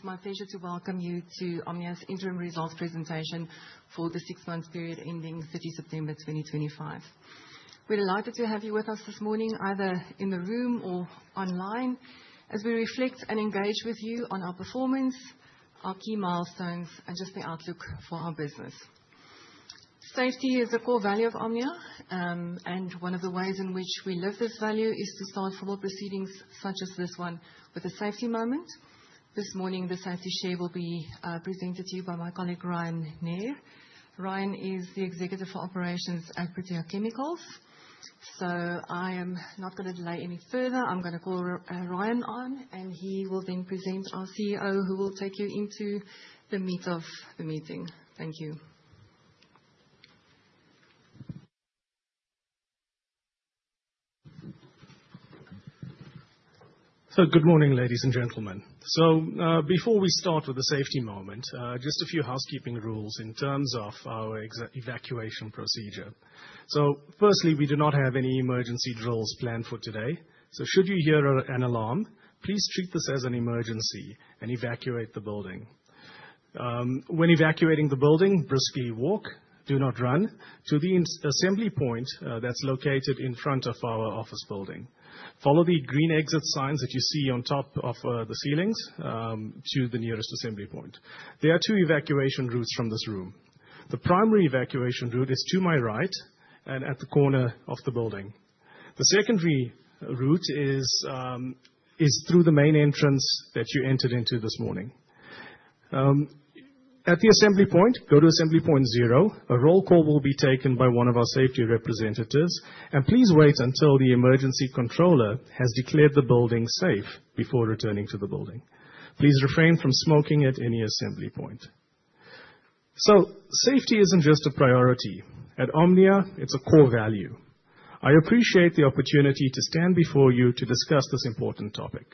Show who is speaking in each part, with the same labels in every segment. Speaker 1: It's my pleasure to welcome you to Omnia's interim results presentation for the six-month period ending 30 September 2025. We're delighted to have you with us this morning, either in the room or online, as we reflect and engage with you on our performance, our key milestones, and just the outlook for our business. Safety is a core value of Omnia, and one of the ways in which we live this value is to solve for proceedings such as this one with a safety moment. This morning, the safety share will be presented to you by my colleague, Rian Nair. Rian is the Executive for Operations at Protea Chemicals. I am not going to delay any further. I'm going to call Rian on, and he will then present our CEO, who will take you into the meat of the meeting. Thank you.
Speaker 2: Good morning, ladies and gentlemen. Before we start with the safety moment, just a few housekeeping rules in terms of our evacuation procedure. Firstly, we do not have any emergency drills planned for today. Should you hear an alarm, please treat this as an emergency and evacuate the building. When evacuating the building, briskly walk, do not run to the assembly point that is located in front of our office building. Follow the green exit signs that you see on top of the ceilings to the nearest assembly point. There are two evacuation routes from this room. The primary evacuation route is to my right and at the corner of the building. The secondary route is through the main entrance that you entered into this morning. At the assembly point, go to assembly point zero. A roll call will be taken by one of our safety representatives, and please wait until the emergency controller has declared the building safe before returning to the building. Please refrain from smoking at any assembly point. Safety is not just a priority. At Omnia, it is a core value. I appreciate the opportunity to stand before you to discuss this important topic.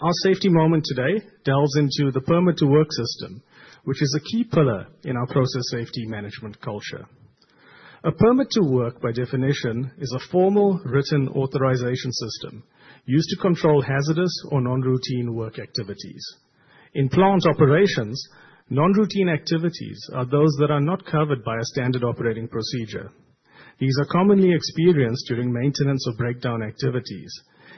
Speaker 2: Our safety moment today delves into the permit-to-work system, which is a key pillar in our process safety management culture. A permit-to-work, by definition, is a formal written authorization system used to control hazardous or non-routine work activities. In plant operations, non-routine activities are those that are not covered by a standard operating procedure. These are commonly experienced during maintenance or breakdown activities,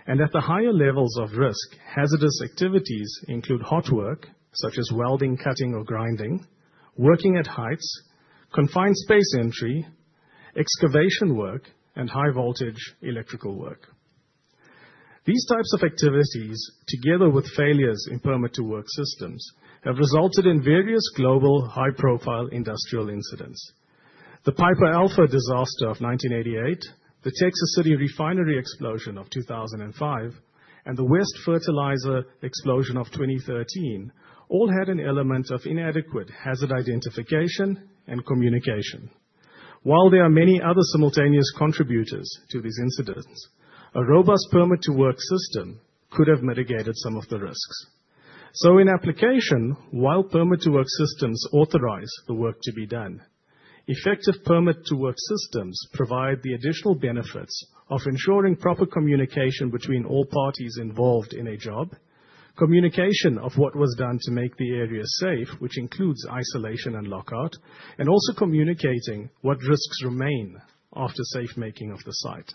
Speaker 2: and at the higher levels of risk, hazardous activities include hot work, such as welding, cutting, or grinding, working at heights, confined space entry, excavation work, and high-voltage electrical work. These types of activities, together with failures in permit-to-work systems, have resulted in various global high-profile industrial incidents. The Piper Alpha disaster of 1988, the Texas City refinery explosion of 2005, and the West Fertilizer explosion of 2013 all had an element of inadequate hazard identification and communication. While there are many other simultaneous contributors to these incidents, a robust permit-to-work system could have mitigated some of the risks. In application, while permit-to-work systems authorize the work to be done, effective permit-to-work systems provide the additional benefits of ensuring proper communication between all parties involved in a job, communication of what was done to make the area safe, which includes isolation and lockout, and also communicating what risks remain after safemaking of the site.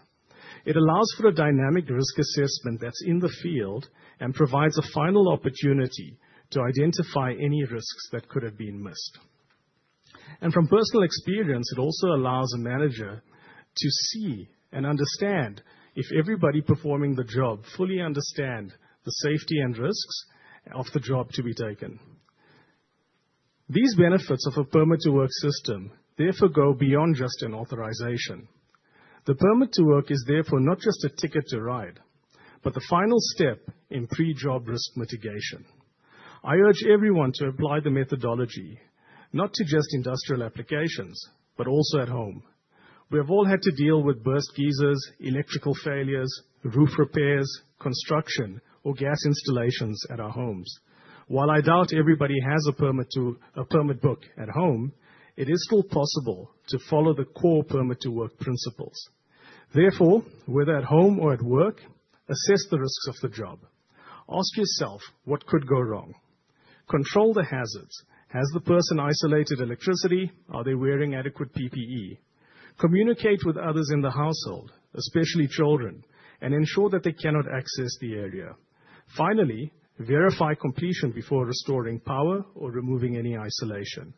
Speaker 2: It allows for a dynamic risk assessment that's in the field and provides a final opportunity to identify any risks that could have been missed. From personal experience, it also allows a manager to see and understand if everybody performing the job fully understands the safety and risks of the job to be taken. These benefits of a permit-to-work system therefore go beyond just an authorization. The permit-to-work is therefore not just a ticket to ride, but the final step in pre-job risk mitigation. I urge everyone to apply the methodology not to just industrial applications, but also at home. We have all had to deal with burst geysers, electrical failures, roof repairs, construction, or gas installations at our homes. While I doubt everybody has a permit book at home, it is still possible to follow the core permit-to-work principles. Therefore, whether at home or at work, assess the risks of the job. Ask yourself, what could go wrong? Control the hazards. Has the person isolated electricity? Are they wearing adequate PPE? Communicate with others in the household, especially children, and ensure that they cannot access the area. Finally, verify completion before restoring power or removing any isolation.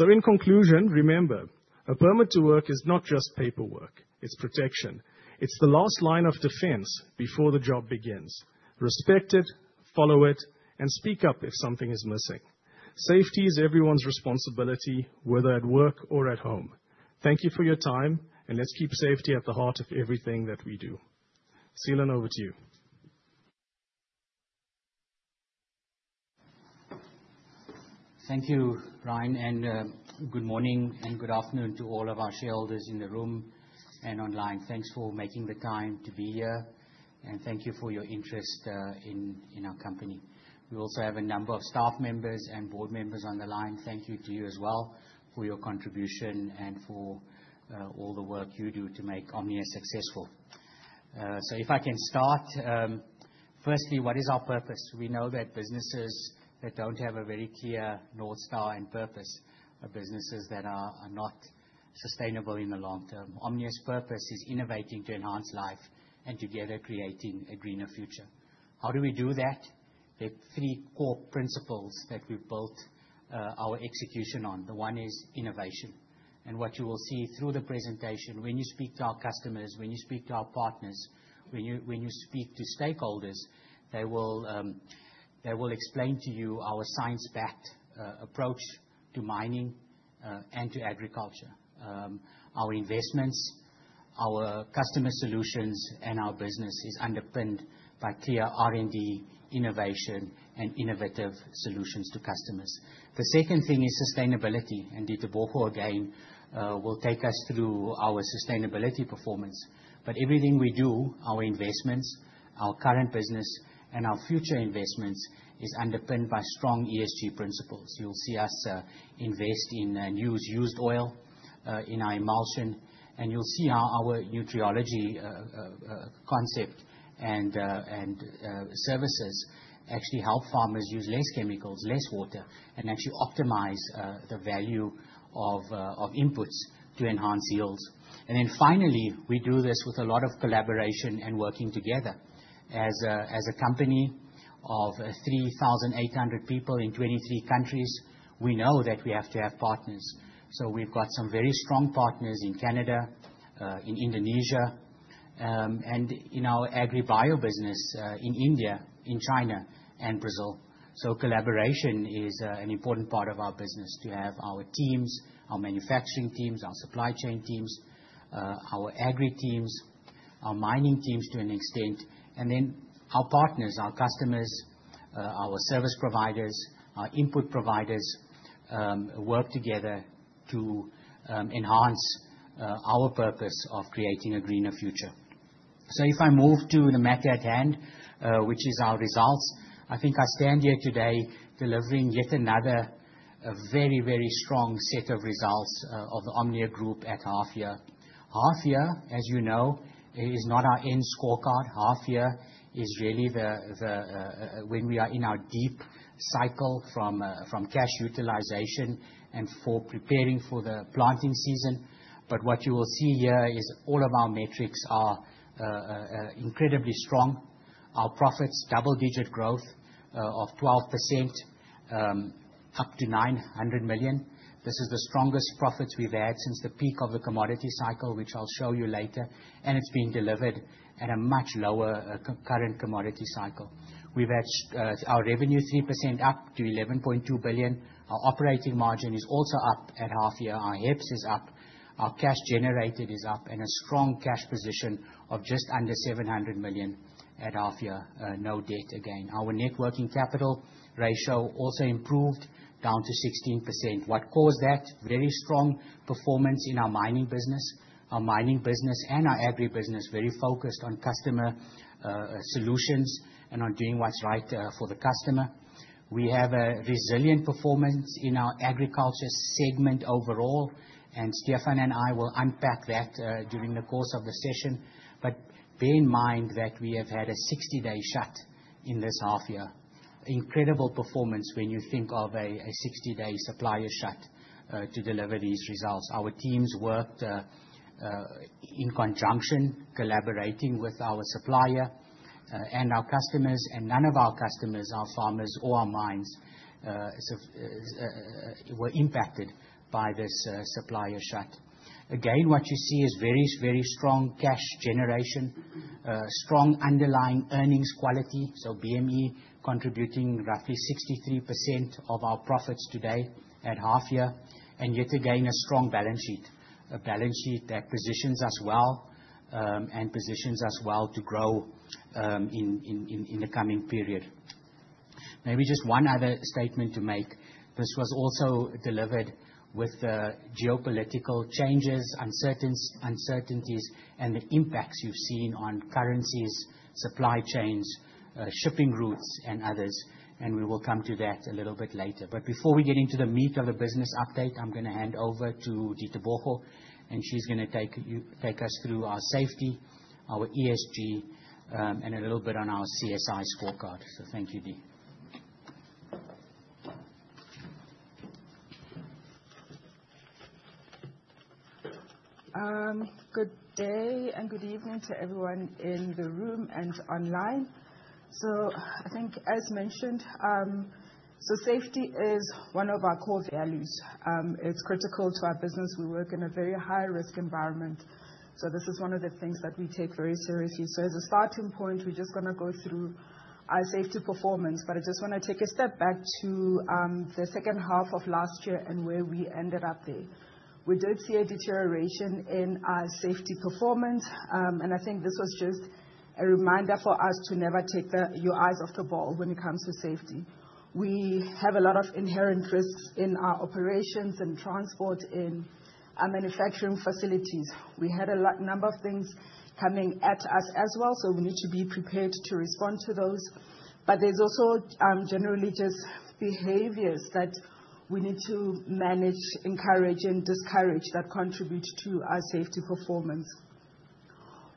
Speaker 2: In conclusion, remember, a permit-to-work is not just paperwork. It's protection. It's the last line of defense before the job begins. Respect it, follow it, and speak up if something is missing. Safety is everyone's responsibility, whether at work or at home. Thank you for your time, and let's keep safety at the heart of everything that we do. Seelan, over to you.
Speaker 3: Thank you, Rian, and good morning and good afternoon to all of our shareholders in the room and online. Thanks for making the time to be here, and thank you for your interest in our company. We also have a number of staff members and board members on the line. Thank you to you as well for your contribution and for all the work you do to make Omnia successful. If I can start, firstly, what is our purpose? We know that businesses that do not have a very clear North Star and purpose are businesses that are not sustainable in the long term. Omnia's purpose is innovating to enhance life and together creating a greener future. How do we do that? There are three core principles that we have built our execution on. The one is innovation. What you will see through the presentation, when you speak to our customers, when you speak to our partners, when you speak to stakeholders, they will explain to you our science-backed approach to mining and to agriculture. Our investments, our customer solutions, and our business is underpinned by clear R&D, innovation, and innovative solutions to customers. The second thing is sustainability, and Ditebogo again will take us through our sustainability performance. Everything we do, our investments, our current business, and our future investments is underpinned by strong ESG principles. You'll see us invest in and use used oil in our emulsion, and you'll see how our nutriology concept and services actually help farmers use less chemicals, less water, and actually optimize the value of inputs to enhance yields. Finally, we do this with a lot of collaboration and working together. As a company of 3,800 people in 23 countries, we know that we have to have partners. We have some very strong partners in Canada, in Indonesia, and in our agri-bio business in India, in China, and Brazil. Collaboration is an important part of our business to have our teams, our manufacturing teams, our supply chain teams, our agri teams, our mining teams to an extent, and then our partners, our customers, our service providers, our input providers work together to enhance our purpose of creating a greener future. If I move to the map at hand, which is our results, I think I stand here today delivering yet another very, very strong set of results of the Omnia Group at half year. Half year, as you know, is not our end scorecard. Half year is really when we are in our deep cycle from cash utilization and for preparing for the planting season. What you will see here is all of our metrics are incredibly strong. Our profits, double-digit growth of 12%, up to 900 million. This is the strongest profits we have had since the peak of the commodity cycle, which I will show you later, and it is being delivered at a much lower current commodity cycle. We have had our revenue 3% up to 11.2 billion. Our operating margin is also up at half year. Our EPS is up. Our cash generated is up and a strong cash position of just under 700 million at half year, no debt again. Our net working capital ratio also improved down to 16%. What caused that? Very strong performance in our mining business. Our mining business and our agri business, very focused on customer solutions and on doing what's right for the customer. We have a resilient performance in our agriculture segment overall, and Stefan and I will unpack that during the course of the session. Bear in mind that we have had a 60-day shut in this half year. Incredible performance when you think of a 60-day supplier shut to deliver these results. Our teams worked in conjunction, collaborating with our supplier and our customers, and none of our customers, our farmers, or our mines were impacted by this supplier shut. What you see is very, very strong cash generation, strong underlying earnings quality, so BME contributing roughly 63% of our profits today at half year, and yet again, a strong balance sheet, a balance sheet that positions us well and positions us well to grow in the coming period. Maybe just one other statement to make. This was also delivered with geopolitical changes, uncertainties, and the impacts you've seen on currencies, supply chains, shipping routes, and others. We will come to that a little bit later. Before we get into the meat of the business update, I'm going to hand over to Ditebogo, and she's going to take us through our safety, our ESG, and a little bit on our CSI scorecard. Thank you, Dee.
Speaker 4: Good day and good evening to everyone in the room and online. I think, as mentioned, safety is one of our core values. It is critical to our business. We work in a very high-risk environment. This is one of the things that we take very seriously. As a starting point, we are just going to go through our safety performance, but I just want to take a step back to the second half of last year and where we ended up there. We did see a deterioration in our safety performance, and I think this was just a reminder for us to never take your eyes off the ball when it comes to safety. We have a lot of inherent risks in our operations and transport in our manufacturing facilities. We had a number of things coming at us as well, so we need to be prepared to respond to those. There are also generally just behaviors that we need to manage, encourage, and discourage that contribute to our safety performance.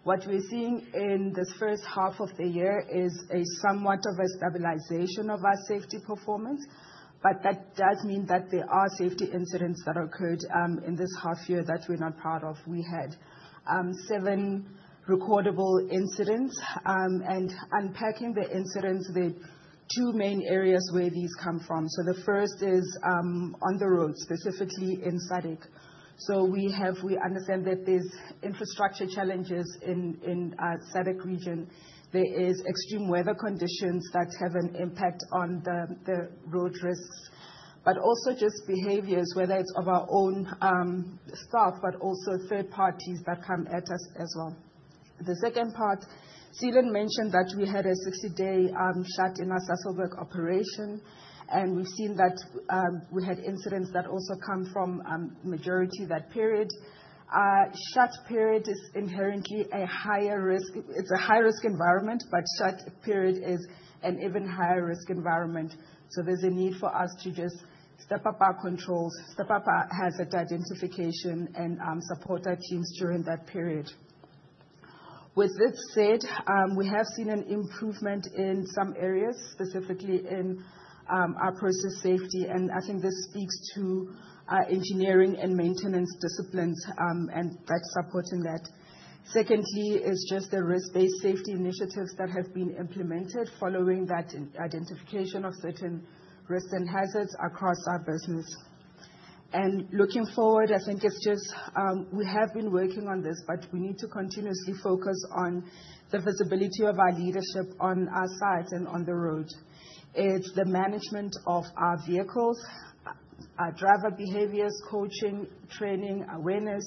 Speaker 4: What we're seeing in this first half of the year is a somewhat of a stabilization of our safety performance, but that does mean that there are safety incidents that occurred in this half year that we're not part of. We had seven recordable incidents, and unpacking the incidents, the two main areas where these come from. The first is on the roads, specifically in SADC. We understand that there's infrastructure challenges in our SADC region. There are extreme weather conditions that have an impact on the road risks, but also just behaviors, whether it's of our own staff, but also third parties that come at us as well. The second part, Seelan mentioned that we had a 60-day shut in our Sasolburg operation, and we've seen that we had incidents that also come from the majority of that period. Shut period is inherently a higher risk. It's a high-risk environment, but shut period is an even higher-risk environment. There is a need for us to just step up our controls, step up our hazard identification, and support our teams during that period. With this said, we have seen an improvement in some areas, specifically in our process safety, and I think this speaks to our engineering and maintenance disciplines and that supporting that. Secondly, it's just the risk-based safety initiatives that have been implemented following that identification of certain risks and hazards across our business. Looking forward, I think it's just we have been working on this, but we need to continuously focus on the visibility of our leadership on our sites and on the road. It's the management of our vehicles, our driver behaviors, coaching, training, awareness,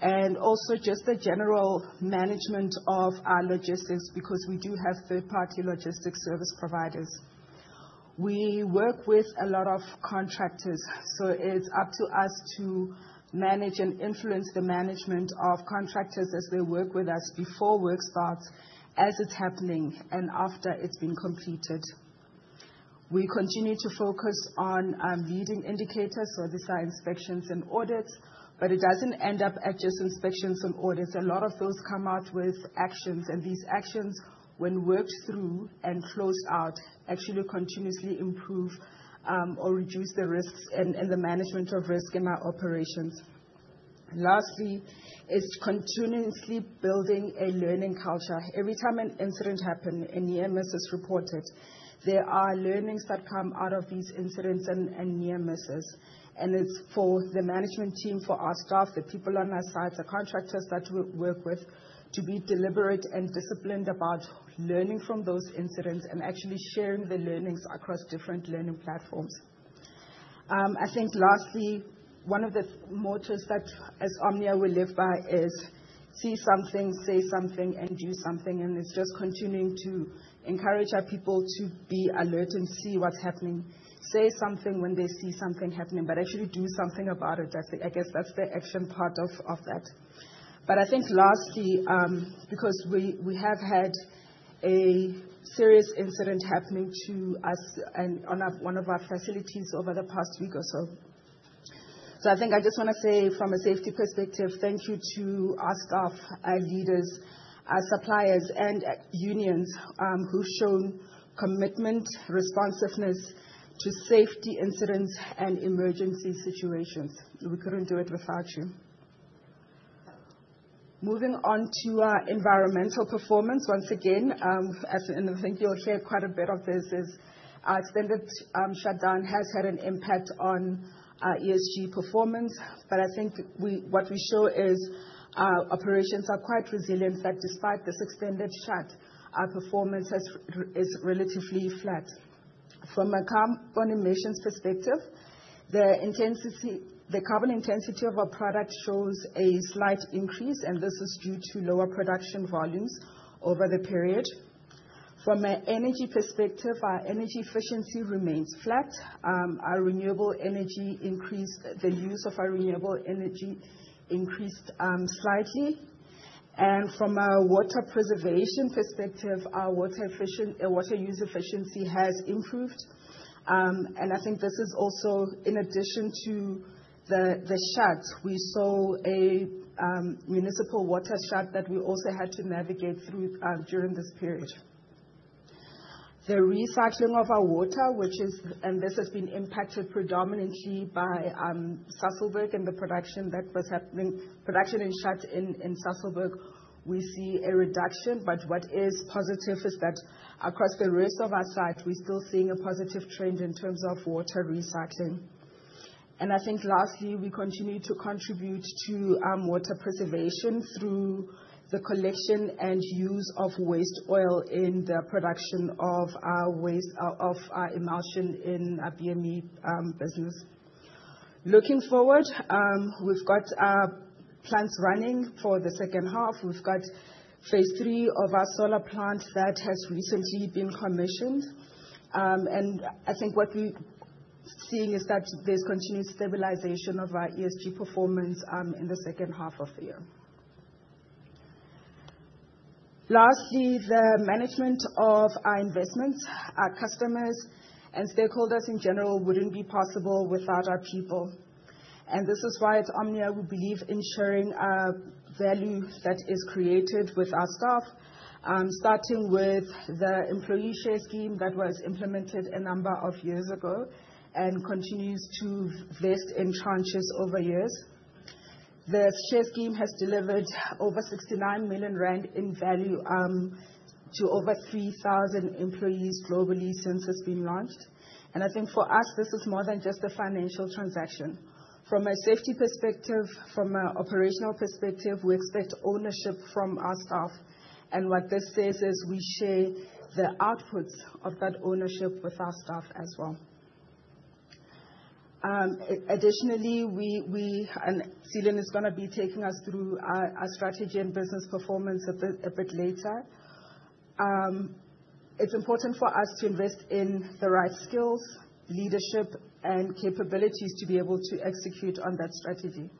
Speaker 4: and also just the general management of our logistics because we do have third-party logistics service providers. We work with a lot of contractors, so it's up to us to manage and influence the management of contractors as they work with us before work starts, as it's happening, and after it's been completed. We continue to focus on leading indicators, so the site inspections and audits, but it doesn't end up at just inspections and audits. A lot of those come out with actions, and these actions, when worked through and closed out, actually continuously improve or reduce the risks and the management of risk in our operations. Lastly, it's continuously building a learning culture. Every time an incident happens, a near miss is reported. There are learnings that come out of these incidents and near misses, and it's for the management team, for our staff, the people on our sites, the contractors that we work with, to be deliberate and disciplined about learning from those incidents and actually sharing the learnings across different learning platforms. I think lastly, one of the mottos that, as Omnia, we live by is see something, say something, and do something, and it's just continuing to encourage our people to be alert and see what's happening. Say something when they see something happening, but actually do something about it. I guess that's the excellent part of that. I think lastly, because we have had a serious incident happening to us in one of our facilities over the past week or so, I just want to say, from a safety perspective, thank you to our staff, our leaders, our suppliers, and unions who've shown commitment, responsiveness to safety incidents and emergency situations. We couldn't do it without you. Moving on to our environmental performance, once again, as in I think you'll hear quite a bit of this, our extended shutdown has had an impact on our ESG performance, but I think what we show is our operations are quite resilient that despite this extended shut, our performance is relatively flat. From a carbon emissions perspective, the carbon intensity of our product shows a slight increase, and this is due to lower production volumes over the period. From an energy perspective, our energy efficiency remains flat. Our renewable energy increased, the use of our renewable energy increased slightly. From a water preservation perspective, our water use efficiency has improved. I think this is also in addition to the shuts. We saw a municipal water shut that we also had to navigate through during this period. The recycling of our water, which is, and this has been impacted predominantly by Sasolburg and the production that was happening, production and shut in Sasolburg, we see a reduction, but what is positive is that across the rest of our site, we're still seeing a positive trend in terms of water recycling. I think lastly, we continue to contribute to water preservation through the collection and use of waste oil in the production of our emulsion in our BME business. Looking forward, we've got plants running for the second half. We've got phase three of our solar plant that has recently been commissioned. I think what we're seeing is that there's continued stabilization of our ESG performance in the second half of the year. Lastly, the management of our investments, our customers, and stakeholders in general would not be possible without our people. This is why at Omnia, we believe in sharing value that is created with our staff, starting with the employee share scheme that was implemented a number of years ago and continues to vest in tranches over years. The share scheme has delivered over 69 million rand in value to over 3,000 employees globally since it's been launched. I think for us, this is more than just a financial transaction. From a safety perspective, from an operational perspective, we expect ownership from our staff. What this says is we share the outputs of that ownership with our staff as well. Additionally, Seelan is going to be taking us through our strategy and business performance a bit later. It's important for us to invest in the right skills, leadership, and capabilities to be able to execute on that strategy.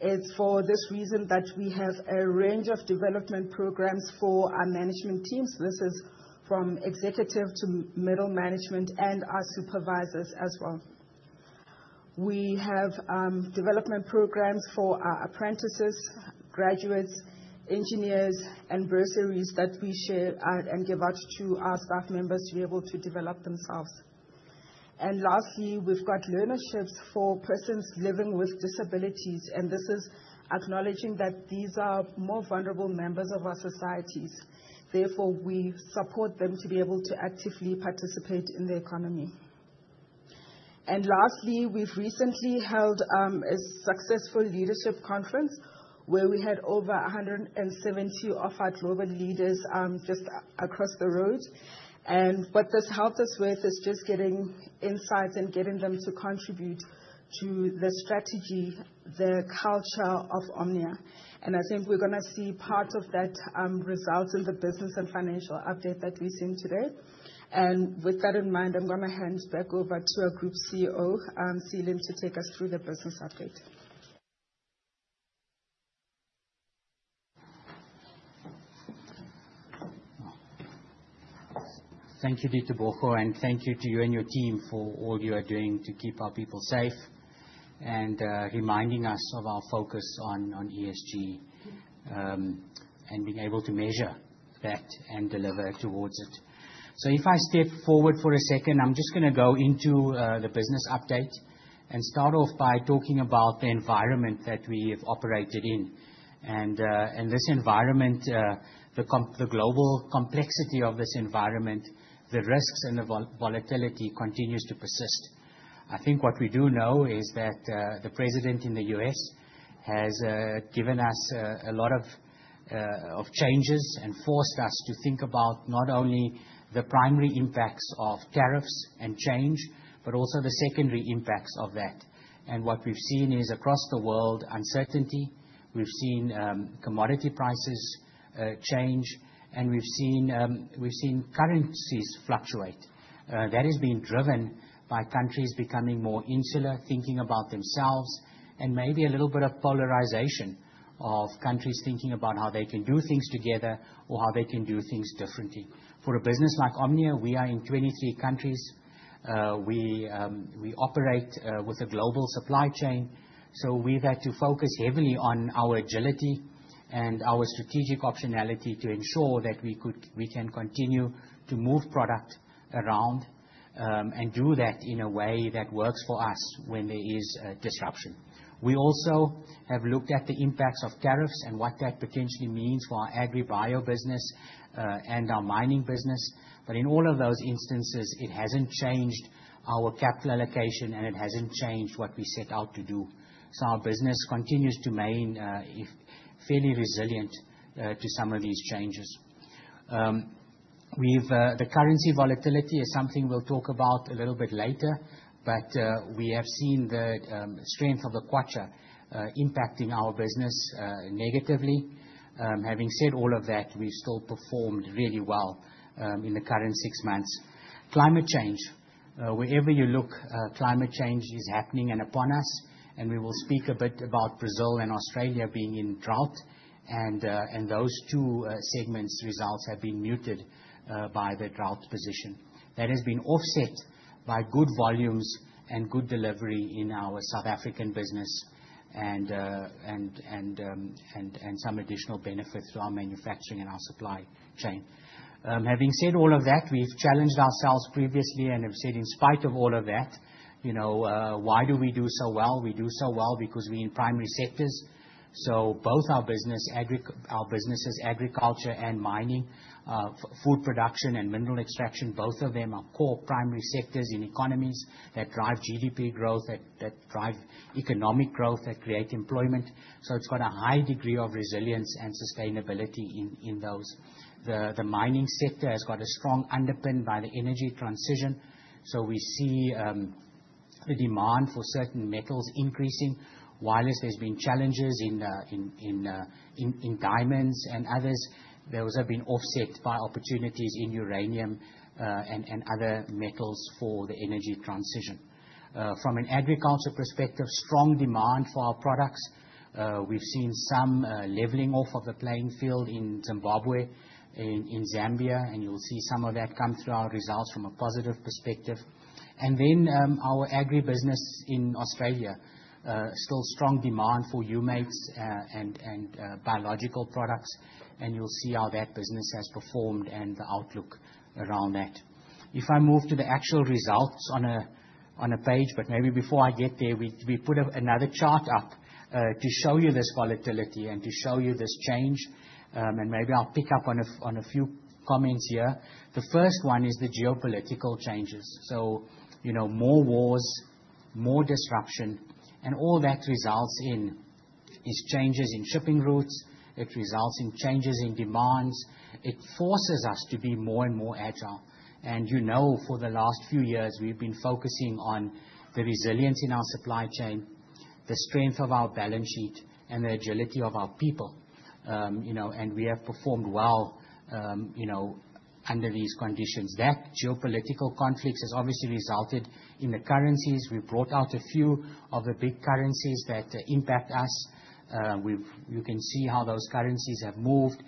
Speaker 4: It's for this reason that we have a range of development programs for our management teams. This is from executive to middle management and our supervisors as well. We have development programs for our apprentices, graduates, engineers, and bursaries that we share and give out to our staff members to be able to develop themselves. Lastly, we have learnerships for persons living with disabilities, and this is acknowledging that these are more vulnerable members of our societies. Therefore, we support them to be able to actively participate in the economy. Recently, we held a successful leadership conference where we had over 170 of our global leaders just across the road. What this helped us with is just getting insights and getting them to contribute to the strategy, the culture of Omnia. I think we are going to see parts of that result in the business and financial update that we have seen today. With that in mind, I'm going to hand back over to our Group CEO, Seelan, to take us through the business update.
Speaker 3: Thank you, Ditebogo, and thank you to you and your team for all you are doing to keep our people safe and reminding us of our focus on ESG and being able to measure that and deliver towards it. If I step forward for a second, I'm just going to go into the business update and start off by talking about the environment that we have operated in. In this environment, the global complexity of this environment, the risks and the volatility continues to persist. I think what we do know is that the president in the U.S. has given us a lot of changes and forced us to think about not only the primary impacts of tariffs and change, but also the secondary impacts of that. What we've seen is across the world, uncertainty. We've seen commodity prices change, and we've seen currencies fluctuate. That has been driven by countries becoming more insular, thinking about themselves, and maybe a little bit of polarization of countries thinking about how they can do things together or how they can do things differently. For a business like Omnia, we are in 23 countries. We operate with a global supply chain. We have had to focus heavily on our agility and our strategic optionality to ensure that we can continue to move product around and do that in a way that works for us when there is a disruption. We also have looked at the impacts of tariffs and what that potentially means for our agribio business and our mining business. In all of those instances, it has not changed our capital allocation, and it has not changed what we set out to do. Our business continues to remain fairly resilient to some of these changes. The currency volatility is something we'll talk about a little bit later, but we have seen the strength of the [Quarter] impacting our business negatively. Having said all of that, we've still performed really well in the current six months. Climate change, wherever you look, climate change is happening and upon us, and we will speak a bit about Brazil and Australia being in drought, and those two segments, results have been muted by the drought position. That has been offset by good volumes and good delivery in our South African business and some additional benefits to our manufacturing and our supply chain. Having said all of that, we've challenged ourselves previously and have said, in spite of all of that, why do we do so well? We do so well because we're in primary sectors. Both our businesses, agriculture and mining, food production and mineral extraction, both of them are core primary sectors in economies that drive GDP growth, that drive economic growth, that create employment. It has a high degree of resilience and sustainability in those. The mining sector has a strong underpin by the energy transition. We see the demand for certain metals increasing. While there have been challenges in diamonds and others, those have been offset by opportunities in uranium and other metals for the energy transition. From an agriculture perspective, strong demand for our products. We have seen some leveling off of the playing field in Zimbabwe and in Zambia, and you will see some of that come through our results from a positive perspective. Our agribusiness in Australia, still strong demand for umates and biological products, and you'll see how that business has performed and the outlook around that. If I move to the actual results on a page, maybe before I get there, we put another chart up to show you this volatility and to show you this change, and maybe I'll pick up on a few comments here. The first one is the geopolitical changes. More wars, more disruption, and all that results in changes in shipping routes. It results in changes in demands. It forces us to be more and more agile. You know, for the last few years, we've been focusing on the resilience in our supply chain, the strength of our balance sheet, and the agility of our people. We have performed well under these conditions. That geopolitical conflict has obviously resulted in the currencies. We brought out a few of the big currencies that impact us. You can see how those currencies have moved.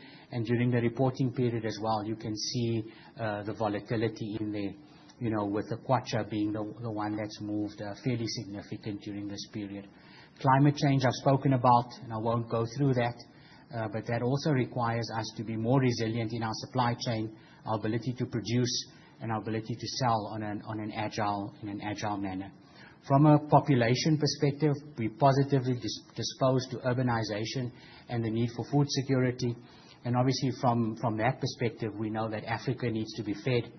Speaker 3: During the reporting period as well, you can see the volatility in there, with the Kwacha being the one that's moved fairly significant during this period. Climate change, I've spoken about, and I won't go through that, but that also requires us to be more resilient in our supply chain, our ability to produce, and our ability to sell in an agile manner. From a population perspective, we positively dispose to urbanization and the need for food security. Obviously, from that perspective, we know that Africa needs to be fed.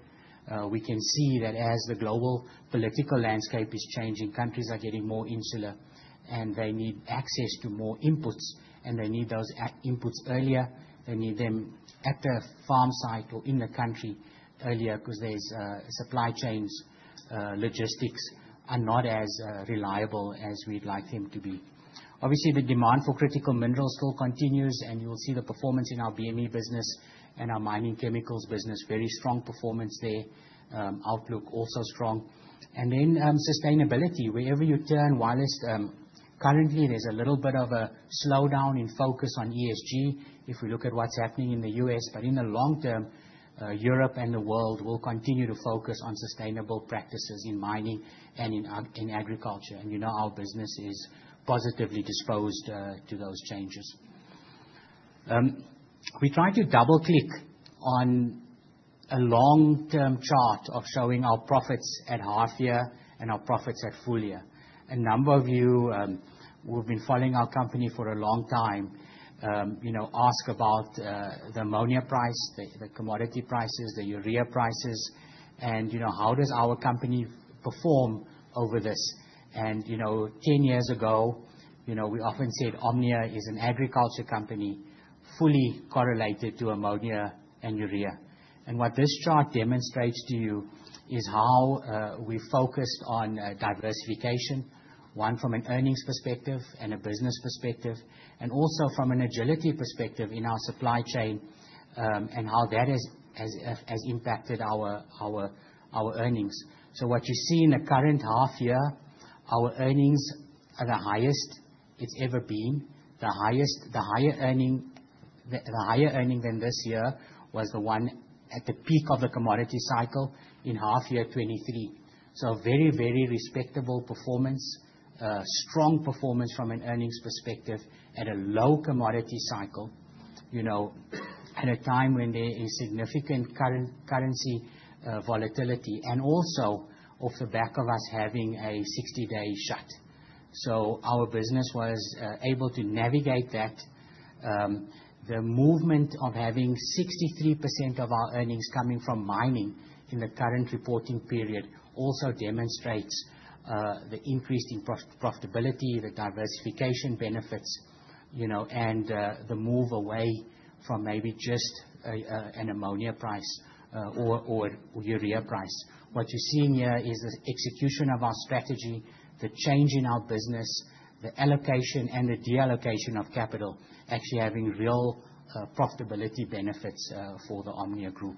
Speaker 3: We can see that as the global political landscape is changing, countries are getting more insular, and they need access to more inputs, and they need those inputs earlier. They need them at the farm site or in the country earlier because supply chains, logistics are not as reliable as we'd like them to be. Obviously, the demand for critical minerals still continues, and you'll see the performance in our BME business and our mining chemicals business, very strong performance there, outlook also strong. Sustainability, wherever you turn, while currently there's a little bit of a slowdown in focus on ESG, if we look at what's happening in the US, in the long term, Europe and the world will continue to focus on sustainable practices in mining and in agriculture. You know our business is positively disposed to those changes. We try to double-click on a long-term chart of showing our profits at half-year and our profits at full-year. A number of you who have been following our company for a long time ask about the ammonia price, the commodity prices, the urea prices, and how does our company perform over this. Ten years ago, we often said Omnia is an agriculture company fully correlated to ammonia and urea. What this chart demonstrates to you is how we focused on diversification, one from an earnings perspective and a business perspective, and also from an agility perspective in our supply chain and how that has impacted our earnings. What you see in the current half-year, our earnings are the highest it has ever been. The higher earning than this year was the one at the peak of the commodity cycle in half-year 2023. Very, very respectable performance, strong performance from an earnings perspective at a low commodity cycle at a time when there is significant currency volatility and also off the back of us having a 60-day shut. Our business was able to navigate that. The movement of having 63% of our earnings coming from mining in the current reporting period also demonstrates the increase in profitability, the diversification benefits, and the move away from maybe just an ammonia price or urea price. What you're seeing here is the execution of our strategy, the change in our business, the allocation and the deallocation of capital actually having real profitability benefits for the Omnia Group.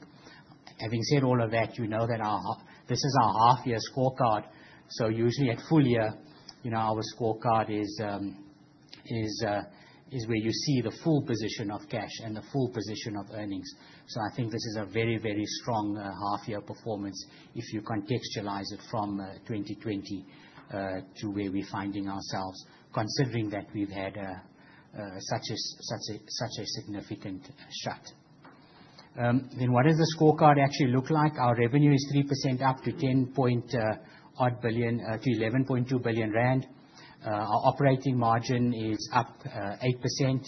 Speaker 3: Having said all of that, you know that this is our half-year scorecard. Usually at full-year, our scorecard is where you see the full position of cash and the full position of earnings. I think this is a very, very strong half-year performance if you contextualize it from 2020 to where we're finding ourselves, considering that we've had such a significant shut. What does the scorecard actually look like? Our revenue is 3% up to 10.1 billion-11.2 billion rand. Our operating margin is up 8%.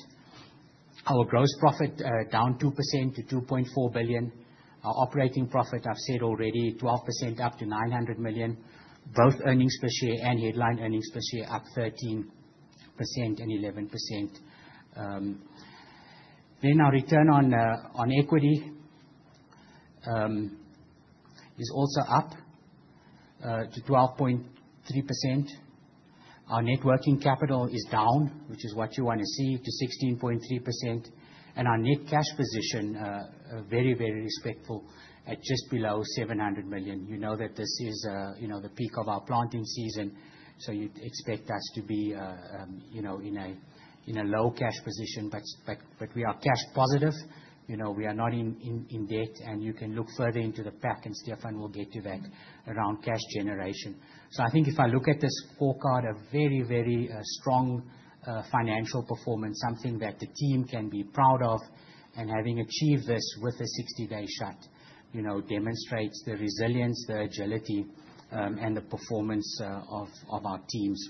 Speaker 3: Our gross profit down 2% to 2.4 billion. Our operating profit, I've said already, 12% up to 900 million. Both earnings per share and headline earnings per share up 13% and 11%. Our return on equity is also up to 12.3%. Our net working capital is down, which is what you want to see, to 16.3%. Our net cash position, very, very respectful, at just below 700 million. You know that this is the peak of our planting season, so you'd expect us to be in a low cash position, but we are cash positive. We are not in debt, and you can look further into the facts, and Stefan will get you that around cash generation. I think if I look at this scorecard, a very, very strong financial performance, something that the team can be proud of, and having achieved this with a 60-day shut demonstrates the resilience, the agility, and the performance of our teams.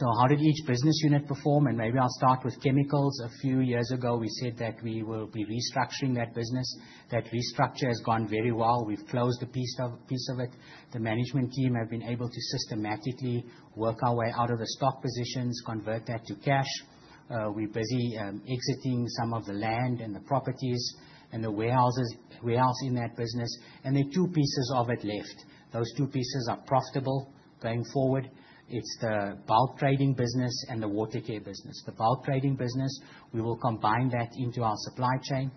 Speaker 3: How did each business unit perform? Maybe I'll start with chemicals. A few years ago, we said that we will be restructuring that business. That restructure has gone very well. We've closed a piece of it. The management team have been able to systematically work our way out of the stock positions, convert that to cash. We're busy exiting some of the land and the properties and the warehouses in that business. There are two pieces of it left. Those two pieces are profitable going forward. It's the bulk trading business and the watercare business. The bulk trading business, we will combine that into our supply chain.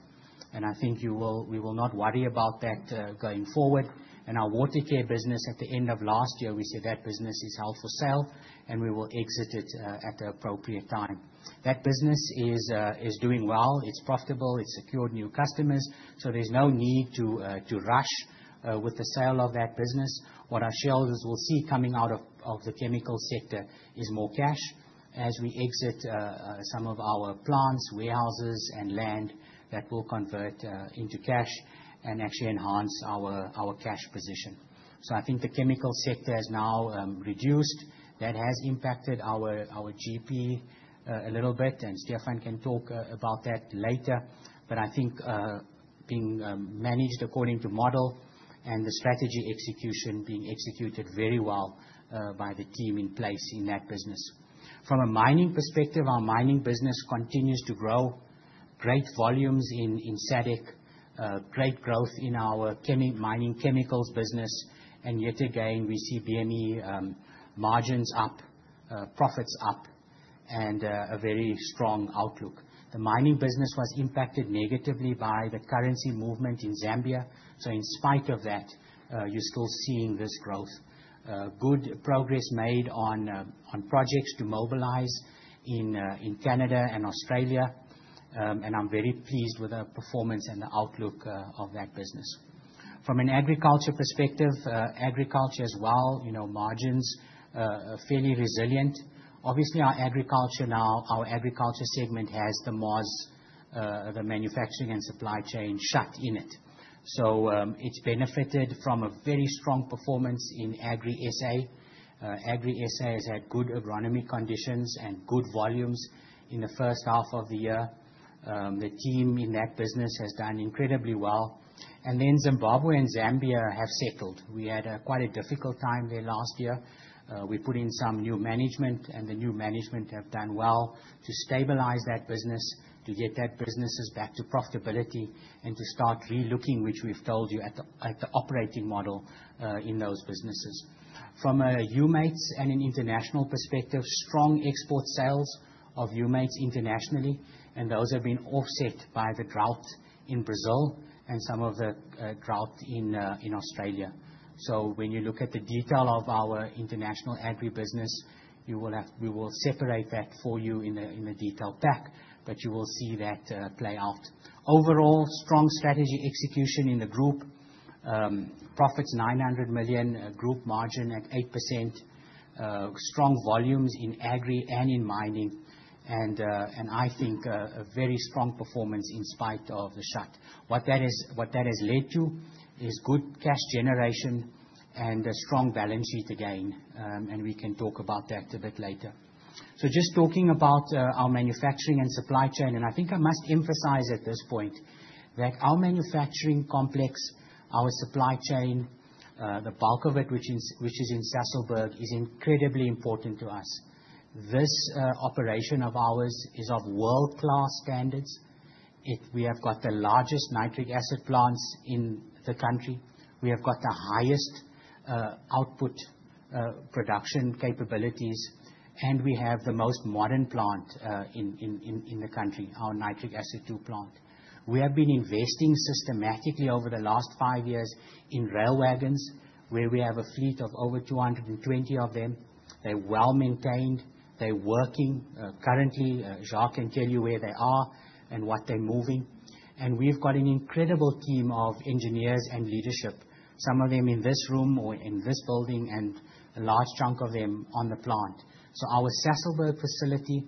Speaker 3: I think we will not worry about that going forward. Our watercare business, at the end of last year, we said that business is out for sale, and we will exit it at the appropriate time. That business is doing well. It's profitable. It's secured new customers. There is no need to rush with the sale of that business. What our shareholders will see coming out of the chemical sector is more cash as we exit some of our plants, warehouses, and land that will convert into cash and actually enhance our cash position. I think the chemical sector has now reduced. That has impacted our GP a little bit, and Stefan can talk about that later. I think being managed according to model and the strategy execution being executed very well by the team in place in that business. From a mining perspective, our mining business continues to grow. Great volumes in SADC, great growth in our mining chemicals business. Yet again, we see BME margins up, profits up, and a very strong outlook. The mining business was impacted negatively by the currency movement in Zambia. In spite of that, you're still seeing this growth. Good progress made on projects to mobilize in Canada and Australia. I am very pleased with the performance and the outlook of that business. From an agriculture perspective, agriculture as well, margins are fairly resilient. Obviously, our agriculture now, our agriculture segment has the manufacturing and supply chain shut in it. It has benefited from a very strong performance in AgriSA. AgriSA has had good agronomy conditions and good volumes in the first half of the year. The team in that business has done incredibly well. Zimbabwe and Zambia have settled. We had quite a difficult time there last year. We put in some new management, and the new management have done well to stabilize that business, to get those businesses back to profitability, and to start relooking, which we have told you, at the operating model in those businesses. From a Umates and an international perspective, strong export sales of Umates internationally, and those have been offset by the droughts in Brazil and some of the droughts in Australia. When you look at the detail of our international agribusiness, we will separate that for you in a detailed pack, but you will see that play out. Overall, strong strategy execution in the group, profits 900 million, group margin at 8%, strong volumes in agri and in mining. I think a very strong performance in spite of the shut. What that has led to is good cash generation and a strong balance sheet again. We can talk about that a bit later. Just talking about our manufacturing and supply chain, I think I must emphasize at this point that our manufacturing complex, our supply chain, the bulk of it, which is in Sasolburg, is incredibly important to us. This operation of ours is of world-class standards. We have got the largest nitric acid plants in the country. We have got the highest output production capabilities, and we have the most modern plant in the country, our nitric acid-2 plant. We have been investing systematically over the last five years in rail wagons where we have a fleet of over 220 of them. They're well maintained. They're working currently. Jacques can tell you where they are and what they're moving. We have got an incredible team of engineers and leadership, some of them in this room or in this building and a large chunk of them on the plant. Our Sasolburg facility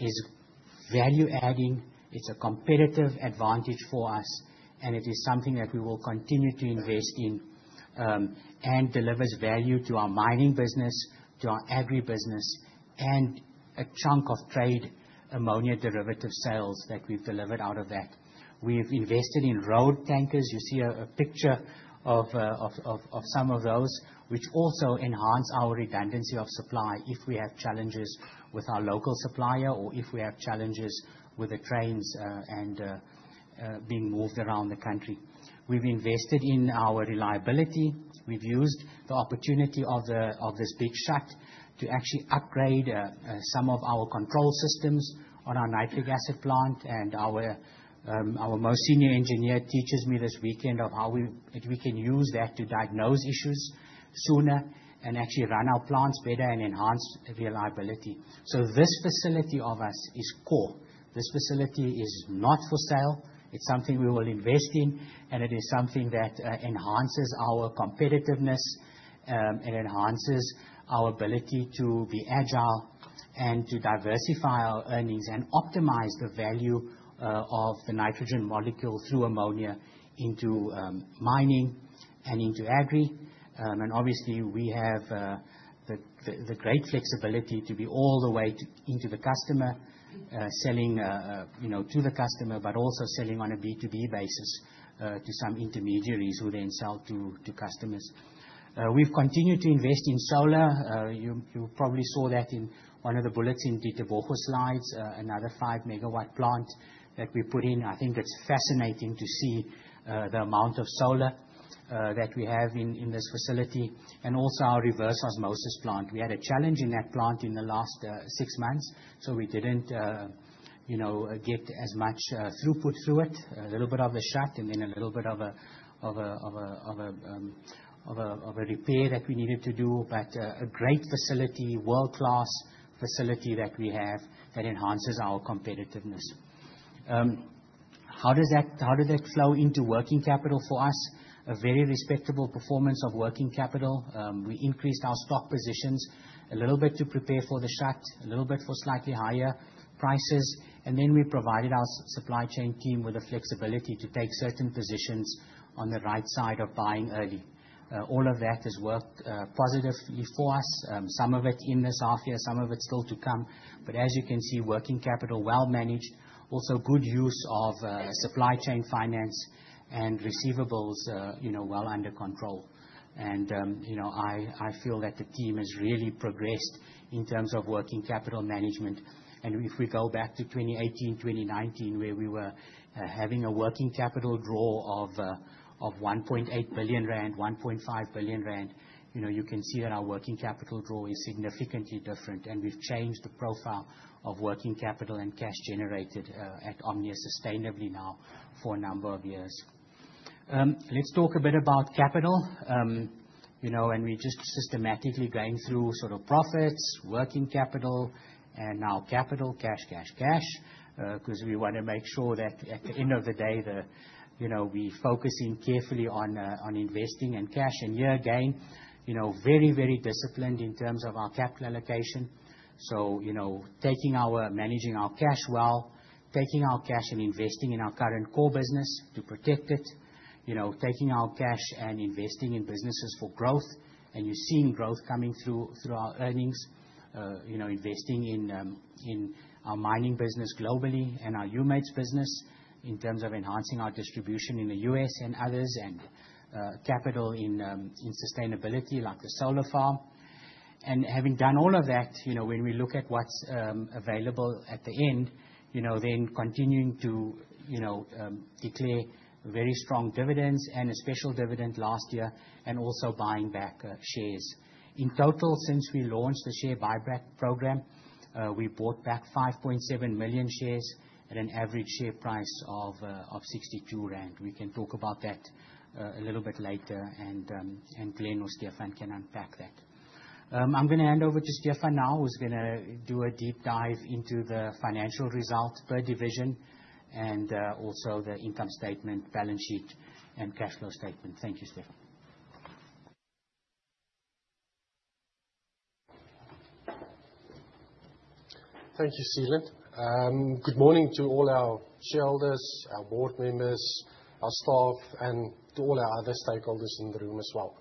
Speaker 3: is value-adding. It's a competitive advantage for us, and it is something that we will continue to invest in and delivers value to our mining business, to our agribusiness, and a chunk of trade ammonia derivative sales that we've delivered out of that. We've invested in road tankers. You see a picture of some of those, which also enhance our redundancy of supply if we have challenges with our local supplier or if we have challenges with the trains and being moved around the country. We have invested in our reliability. We have used the opportunity of this big shut to actually upgrade some of our control systems on our nitric acid plant. Our most senior engineer teaches me this weekend of how we can use that to diagnose issues sooner and actually run our plants better and enhance reliability. This facility of ours is core. This facility is not for sale. It is something we will invest in, and it is something that enhances our competitiveness and enhances our ability to be agile and to diversify our earnings and optimize the value of the nitrogen molecules through ammonia into mining and into agri. Obviously, we have the great flexibility to be all the way into the customer, selling to the customer, but also selling on a B2B basis to some intermediaries who then sell to customers. We have continued to invest in solar. You probably saw that in one of the bullets in Ditebogo slides, another 5-megawatt plant that we put in. I think it is fascinating to see the amount of solar that we have in this facility and also our reverse osmosis plant. We had a challenge in that plant in the last six months, so we did not get as much throughput through it, a little bit of a shut and then a little bit of a repair that we needed to do. A great facility, world-class facility that we have that enhances our competitiveness. How did that flow into working capital for us? A very respectable performance of working capital. We increased our stock positions a little bit to prepare for the shut, a little bit for slightly higher prices. We provided our supply chain team with the flexibility to take certain positions on the right side of buying early. All of that has worked positively for us, some of it in this half-year, some of it still to come. As you can see, working capital, well managed, also good use of supply chain finance and receivables well under control. I feel that the team has really progressed in terms of working capital management. If we go back to 2018, 2019, where we were having a working capital draw of 1.8 billion rand, 1.5 billion rand, you can see that our working capital draw is significantly different. We have changed the profile of working capital and cash generated at Omnia sustainably now for a number of years. Let's talk a bit about capital. We are just systematically going through sort of profits, working capital, and now capital, cash, cash, cash, because we want to make sure that at the end of the day, we are focusing carefully on investing and cash. Again, very, very disciplined in terms of our capital allocation. Managing our cash well, taking our cash and investing in our current core business to protect it, taking our cash and investing in businesses for growth. You are seeing growth coming through our earnings, investing in our mining business globally and our Umates business in terms of enhancing our distribution in the US and others and capital in sustainability like the solar farm. Having done all of that, when we look at what is available at the end, continuing to declare very strong dividends and a special dividend last year and also buying back shares. In total, since we launched the share buyback program, we bought back 5.7 million shares at an average share price of 62 rand. We can talk about that a little bit later, and Glen or Stefan can unpack that. I am going to hand over to Stefan now, who is going to do a deep dive into the financial results per division and also the income statement, balance sheet, and cash flow statement. Thank you, Stefan.
Speaker 5: Thank you, Seelan. Good morning to all our shareholders, our board members, our staff, and to all our other stakeholders in the room as well.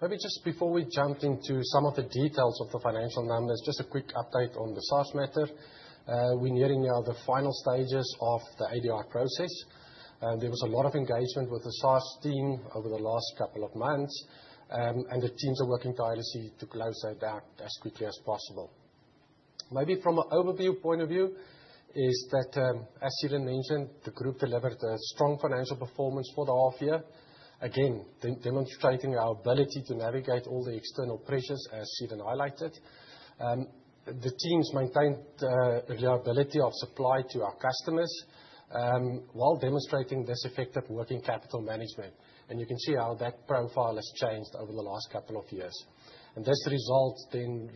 Speaker 5: Maybe just before we jump into some of the details of the financial numbers, just a quick update on the Sasol matter. We're nearing now the final stages of the ADR process. There was a lot of engagement with the Sasol team over the last couple of months, and the teams are working tightly to close that back as quickly as possible. Maybe from an overview point of view is that, as Seelan mentioned, the group delivered a strong financial performance for the half year, again, demonstrating our ability to navigate all the external pressures, as Seelan highlighted. The teams maintained the reliability of supply to our customers while demonstrating this effective working capital management. You can see how that profile has changed over the last couple of years. This result then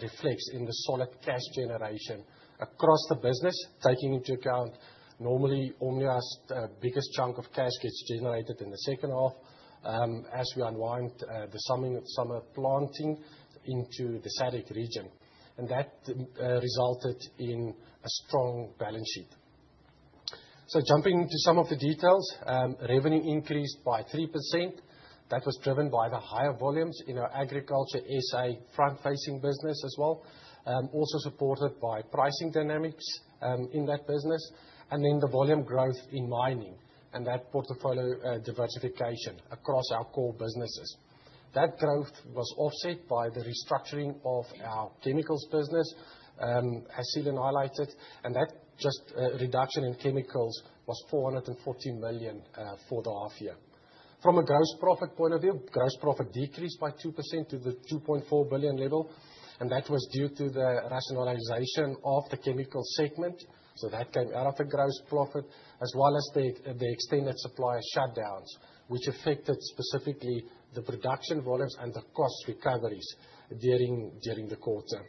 Speaker 5: reflects in the solid cash generation across the business, taking into account normally Omnia's biggest chunk of cash gets generated in the second half as we unwind the summer planting into the SADC region. That resulted in a strong balance sheet. Jumping into some of the details, revenue increased by 3%. That was driven by the higher volumes in our agriculture SA front-facing business as well, also supported by pricing dynamics in that business, and then the volume growth in mining and that portfolio diversification across our core businesses. That growth was offset by the restructuring of our chemicals business, as Seelan highlighted it. That reduction in chemicals was 440 million for the half year. From a gross profit point of view, gross profit decreased by 2% to the 2.4 billion level. That was due to the rationalization of the chemical segment. That came out of the gross profit, as well as the extended supplier shutdowns, which affected specifically the production volumes and the cost recoveries during the quarter,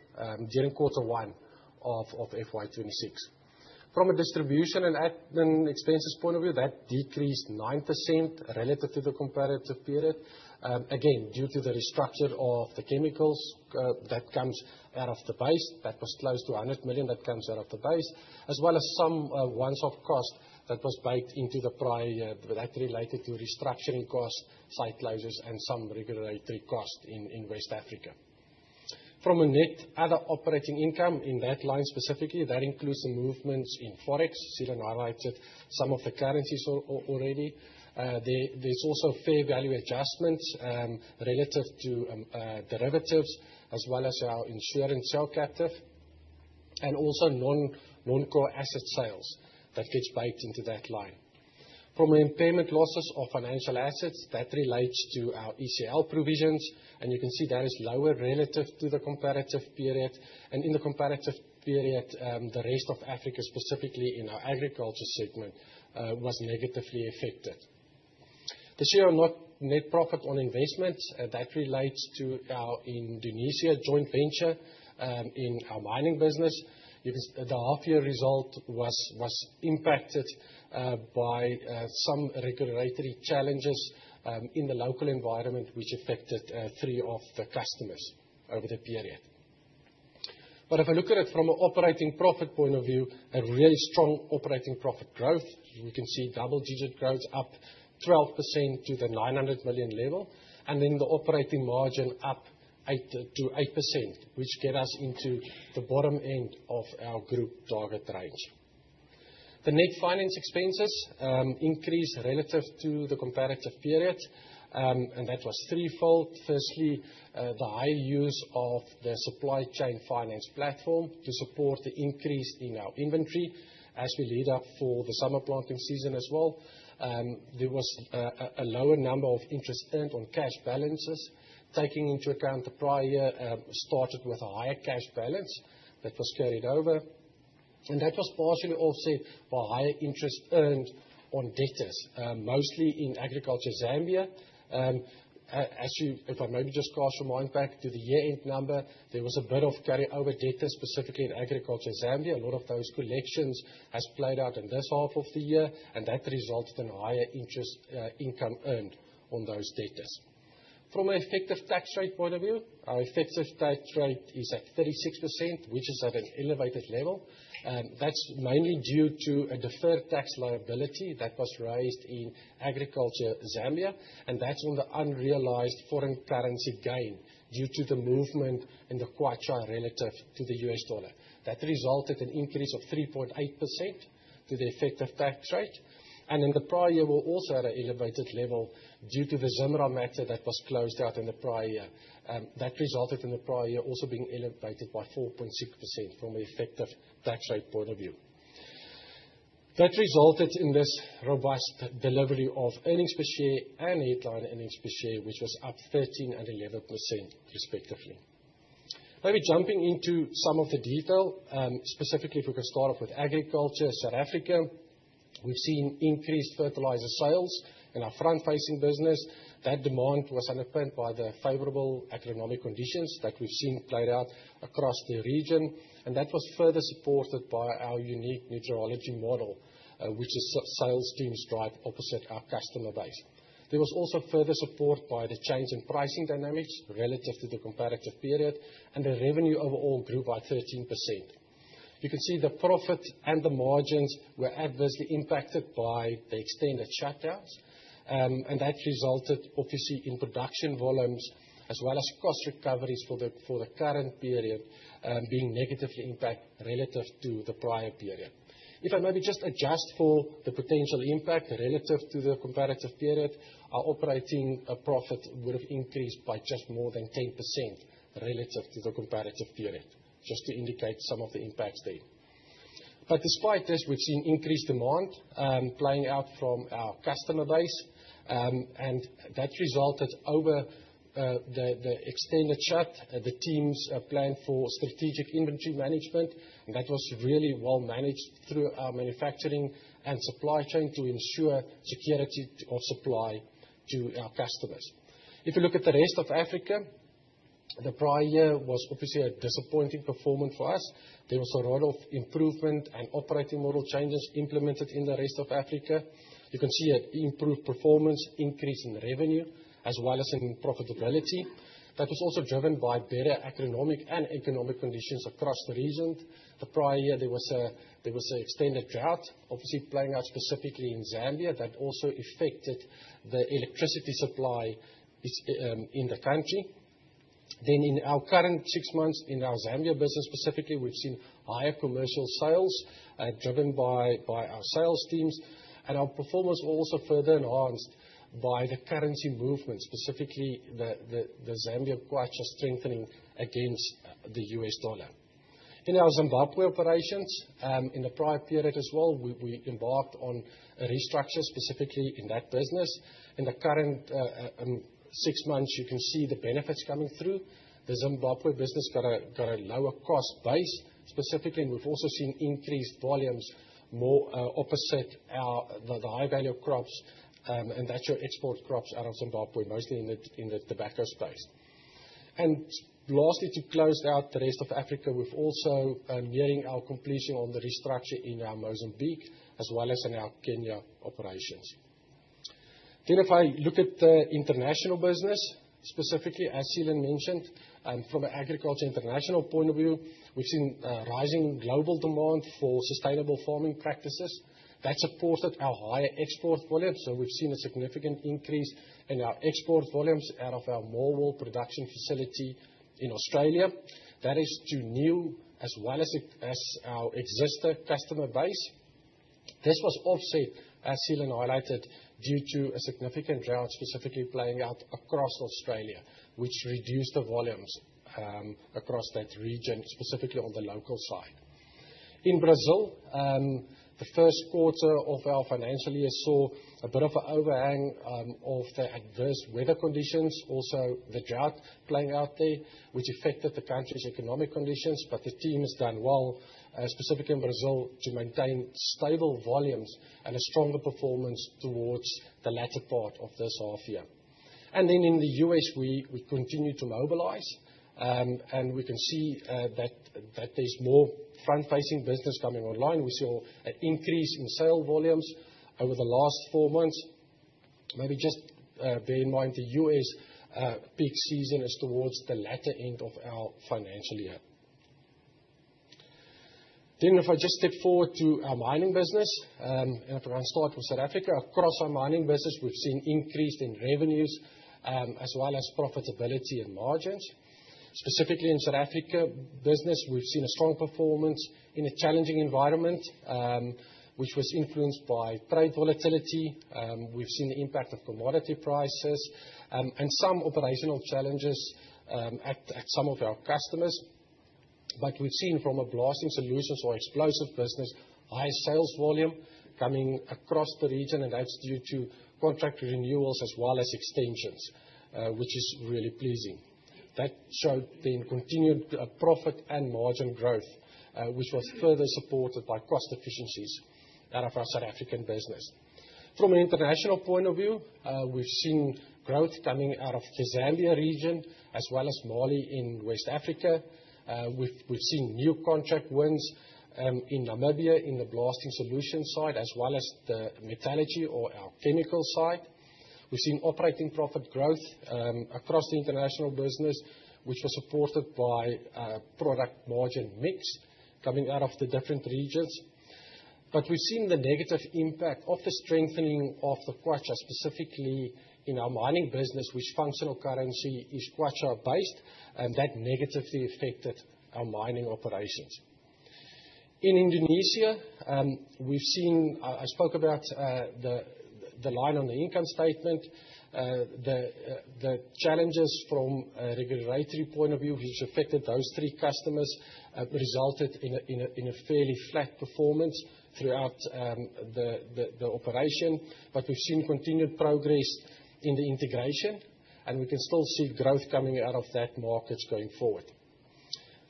Speaker 5: during quarter one of FY2026. From a distribution and admin expenses point of view, that decreased 9% relative to the comparative period, again, due to the restructure of the chemicals that comes out of the base. That was close to 100 million that comes out of the base, as well as some ones-off costs that was baked into the prior that related to restructuring costs, site losses, and some regulatory costs in West Africa. From a net other operating income in that line specifically, that includes the movements in forex. Seelan highlights it, some of the currencies already. There's also fair value adjustments relative to derivatives, as well as our insurance shell captive and also non-core asset sales that gets baked into that line. From impairment losses of financial assets, that relates to our ECL provisions. You can see that is lower relative to the comparative period. In the comparative period, the rest of Africa, specifically in our agriculture segment, was negatively affected. This year our net profit on investments, that relates to our Indonesia joint venture in our mining business. The half-year result was impacted by some regulatory challenges in the local environment, which affected three of the customers over the period. If I look at it from an operating profit point of view, a really strong operating profit growth. We can see double-digit growth up 12% to the 900 million level, and then the operating margin up to 8%, which gets us into the bottom end of our group target range. The net finance expenses increased relative to the comparative period, and that was threefold. Firstly, the high use of the supply chain finance platform to support the increase in our inventory as we lead up for the summer planting season as well. There was a lower number of interest earned on cash balances, taking into account the prior year started with a higher cash balance that was carried over. That was partially also for higher interest earned on debtors, mostly in agriculture Zambia. If I maybe just cast your mind back to the year-end number, there was a bit of carryover debtor, specifically in agriculture Zambia. A lot of those collections have played out in this half of the year, and that resulted in higher interest income earned on those debtors. From an effective tax rate point of view, our effective tax rate is at 36%, which is at an elevated level. That is mainly due to a deferred tax liability that was raised in agriculture Zambia, and that is on the unrealized foreign currency gain due to the movement in the Kwacha relative to the US dollar. That resulted in an increase of 3.8% to the effective tax rate. In the prior year, we also had an elevated level due to the Zimra matter that was closed out in the prior year. That resulted in the prior year also being elevated by 4.6% from an effective tax rate point of view. That resulted in this robust delivery of earnings per share and headline earnings per share, which was up 13% and 11%, respectively. Maybe jumping into some of the detail, specifically if we could start off with agriculture, South Africa. We've seen increased fertilizer sales in our front-facing business. That demand was underpinned by the favorable economic conditions that we've seen played out across the region. That was further supported by our unique meteorology model, which is sales stream stripe opposite our customer base. There was also further support by the change in pricing dynamics relative to the comparative period, and the revenue overall grew by 13%. You can see the profits and the margins were adversely impacted by the extended shutdowns. That resulted, obviously, in production volumes as well as cost recoveries for the current period being negatively impacted relative to the prior period. If I maybe just adjust for the potential impact relative to the comparative period, our operating profit would have increased by just more than 10% relative to the comparative period, just to indicate some of the impacts there. Despite this, we've seen increased demand playing out from our customer base. That resulted over the extended shut, the teams planned for strategic inventory management. That was really well managed through our manufacturing and supply chain to ensure security of supply to our customers. If you look at the rest of Africa, the prior year was obviously a disappointing performance for us. There was a lot of improvement and operating model changes implemented in the rest of Africa. You can see an improved performance, increase in revenue, as well as in profitability. That was also driven by better economic and economic conditions across the region. The prior year, there was an extended drought, obviously playing out specifically in Zambia. That also affected the electricity supply in the country. In our current six months in our Zambia business specifically, we've seen higher commercial sales driven by our sales teams. Our performance was also further enhanced by the currency movement, specifically the Zambia Kwacha strengthening against the US dollar. In our Zimbabwe operations, in the prior period as well, we embarked on a restructure specifically in that business. In the current six months, you can see the benefits coming through. The Zimbabwe business got a lower cost base. Specifically, we've also seen increased volumes more opposite the high-value crops, and that's your export crops out of Zimbabwe, mostly in the tobacco space. Lastly, to close out the rest of Africa, we're also nearing our completion on the restructure in our Mozambique, as well as in our Kenya operations. If I look at the international business, specifically, as Seelan mentioned, from an agriculture international point of view, we've seen rising global demand for sustainable farming practices. That supported our higher export volumes. We've seen a significant increase in our export volumes out of our More Wool production facility in Australia. That is to new as well as our existing customer base. This was offset, as Seelan highlighted, due to a significant drought specifically playing out across Australia, which reduced the volumes across that region, specifically on the local side. In Brazil, the first quarter of our financial year saw a bit of an overhang of the adverse weather conditions, also the drought playing out there, which affected the country's economic conditions. The team has done well, specifically in Brazil, to maintain stable volumes and a stronger performance towards the latter part of this half year. In the US, we continue to mobilize. We can see that there is more front-facing business coming online. We saw an increase in sale volumes over the last four months. Maybe just bear in mind the US peak season is towards the latter end of our financial year. If I just step forward to our mining business, and if I am going to start with South Africa, across our mining business, we have seen increased in revenues as well as profitability and margins. Specifically in South Africa business, we've seen a strong performance in a challenging environment, which was influenced by trade volatility. We've seen the impact of commodity prices and some operational challenges at some of our customers. We've seen from a blasting solutions or explosive business, high sales volume coming across the region, and that's due to contract renewals as well as extensions, which is really pleasing. That showed then continued profit and margin growth, which was further supported by cost efficiencies out of our South African business. From an international point of view, we've seen growth coming out of the Zambia region as well as Mali in West Africa. We've seen new contract wins in Namibia in the blasting solution side as well as the metallurgy or our chemical side. We've seen operating profit growth across the international business, which was supported by product margin mix coming out of the different regions. We've seen the negative impact of the strengthening of the Kwacha, specifically in our mining business, which functional currency is Kwacha based, and that negatively affected our mining operations. In Indonesia, I spoke about the line on the income statement, the challenges from a regulatory point of view, which affected those three customers, resulted in a fairly flat performance throughout the operation. We've seen continued progress in the integration, and we can still see growth coming out of that markets going forward.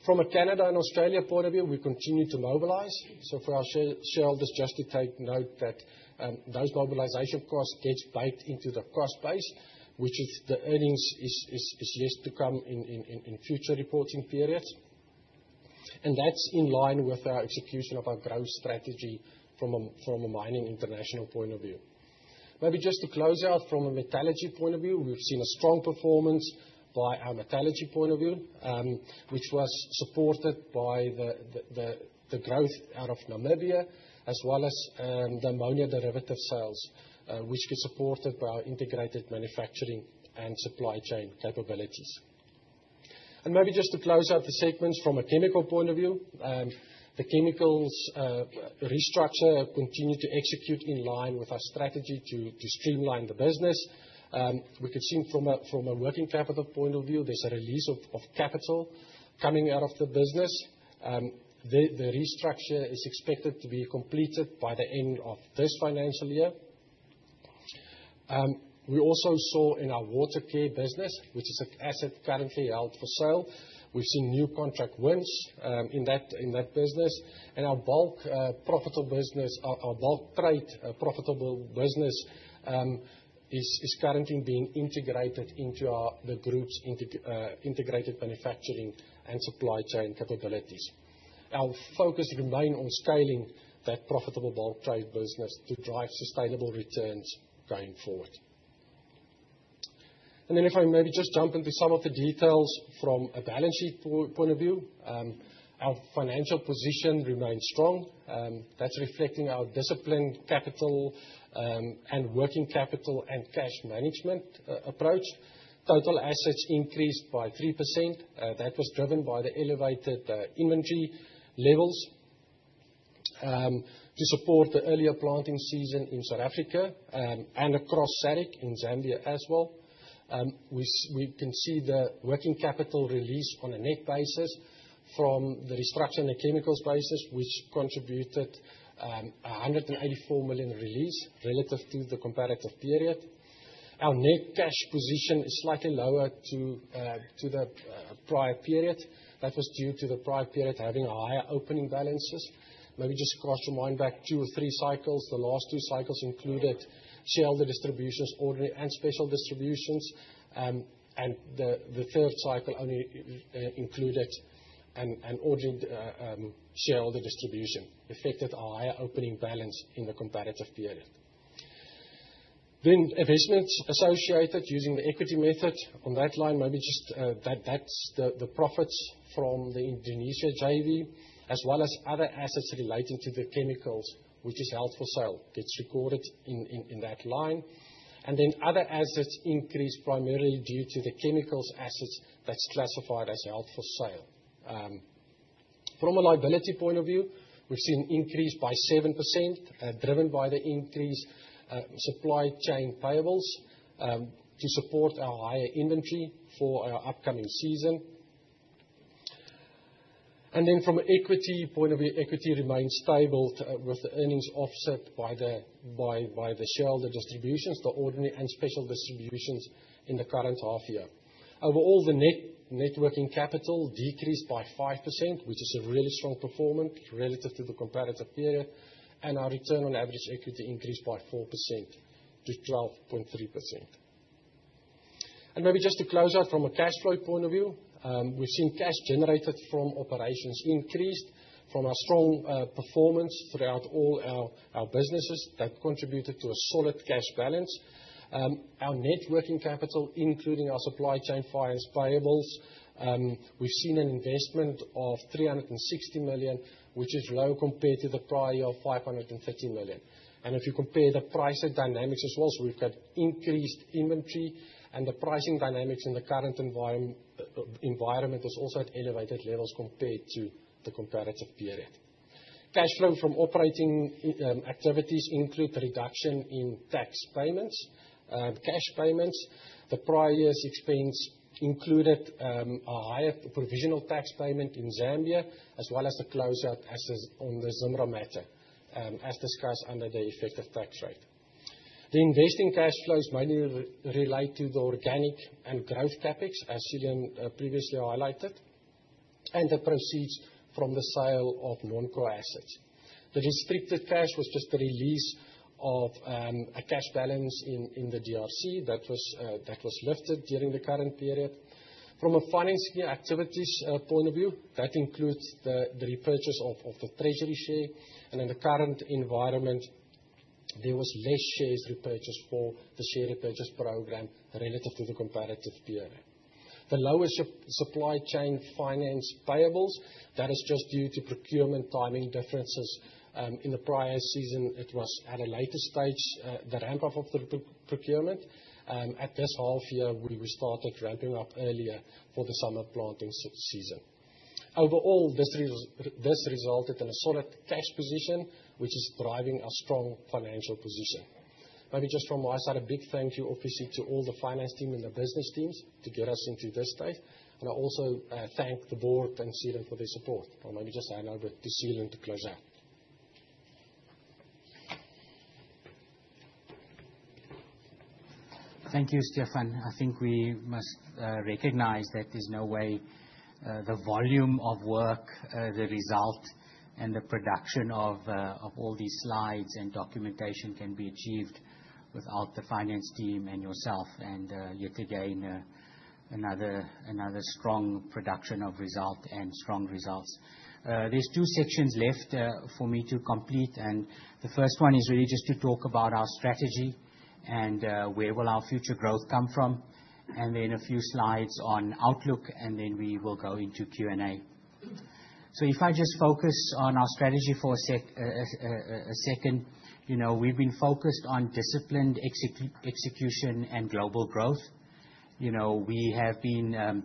Speaker 5: From a Canada and Australia point of view, we continue to mobilize. For our shareholders, just to take note that that mobilization cost gets baked into the cost base, which is the earnings is yet to come in future reporting periods. That is in line with our execution of our growth strategy from a mining international point of view. Maybe just to close out from a metallurgy point of view, we've seen a strong performance by our metallurgy point of view, which was supported by the growth out of Namibia, as well as the ammonia derivative sales, which can support our integrated manufacturing and supply chain capabilities. Maybe just to close out the segments from a chemical point of view, the chemicals restructure continues to execute in line with our strategy to streamline the business. We can see from a working capital point of view, there is a release of capital coming out of the business. The restructure is expected to be completed by the end of this financial year. We also saw in our water care business, which is an asset currently out for sale, we have seen new contract wins in that business. Our bulk profitable business, our bulk trade profitable business, is currently being integrated into the group's integrated manufacturing and supply chain capabilities. Our focus remains on scaling that profitable bulk trade business to drive sustainable returns going forward. If I maybe just jump into some of the details from a balance sheet point of view, our financial position remains strong. That is reflecting our disciplined capital and working capital and cash management approach. Total assets increased by 3%. That was driven by the elevated inventory levels to support the earlier planting season in South Africa and across SADC in Zambia as well. We can see the working capital release on a net basis from the restructuring of chemicals, which contributed 184 million release relative to the comparative period. Our net cash position is slightly lower to the prior period. That was due to the prior period having higher opening balances. Maybe just cast your mind back two or three cycles. The last two cycles included shareholder distributions, ordinary and special distributions. The third cycle only included an ordinary shareholder distribution, which affected our higher opening balance in the comparative period. Arrangements associated using the equity method on that line, maybe just, that is the profits from the Indonesia JV, as well as other assets relating to the chemicals, which is out for sale. It is recorded in that line. Other assets increased primarily due to the chemicals assets that are classified as out for sale. From a liability point of view, we've seen an increase by 7%, driven by the increase in supply chain tables to support our higher inventory for our upcoming season. From an equity point of view, equity remains stable with earnings offset by the shareholder distributions, the ordinary and special distributions in the current half year. Overall, the networking capital decreased by 5%, which is a really strong performance relative to the comparative period. Our return on average equity increased by 4% to 12.3%. Maybe just to close out from a cash flow point of view, we've seen cash generated from operations increased from our strong performance throughout all our businesses that contributed to a solid cash balance. Our networking capital, including our supply chain finance variables, we've seen an investment of 360 million, which is low compared to the prior year of 530 million. If you compare the pricing dynamics as well, we have increased inventory and the pricing dynamics in the current environment was also at elevated levels compared to the comparative period. Cash flow from operating activities includes a reduction in tax payments, cash payments. The prior year's expense included a higher provisional tax payment in Zambia, as well as the closeout on the Zimra matter, as discussed under the effective tax rate. The investing cash flows mainly relate to the organic and growth topics, as Seelan previously highlighted, and the proceeds from the sale of non-core assets. The restricted cash was just the release of a cash balance in the DRC that was lifted during the current period. From a finance activities point of view, that includes the repurchase of the treasury share. In the current environment, there was less shares repurchased for the share repurchase program relative to the comparative period. The lower supply chain finance payables, that is just due to procurement timing differences in the prior season. It was at a later stage, the ramp-up of the procurement. At this half year, we started ramping up earlier for the summer planting season. Overall, this resulted in a solid cash position, which is driving our strong financial position. Maybe just from my side, a big thank you, obviously, to all the finance team and the business teams to get us into this space. I also thank the board and Seelan for their support. I'll maybe just add on to Seelan to close out.
Speaker 3: Thank you, Stephan. I think we must recognize that there's no way the volume of work, the result, and the production of all these slides and documentation can be achieved without the finance team and yourself. Yet again, another strong production of result and strong results. There are two sections left for me to complete. The first one is really just to talk about our strategy and where will our future growth come from. A few slides on outlook, and then we will go into Q&A. If I just focus on our strategy for a second, we've been focused on disciplined execution and global growth. We have been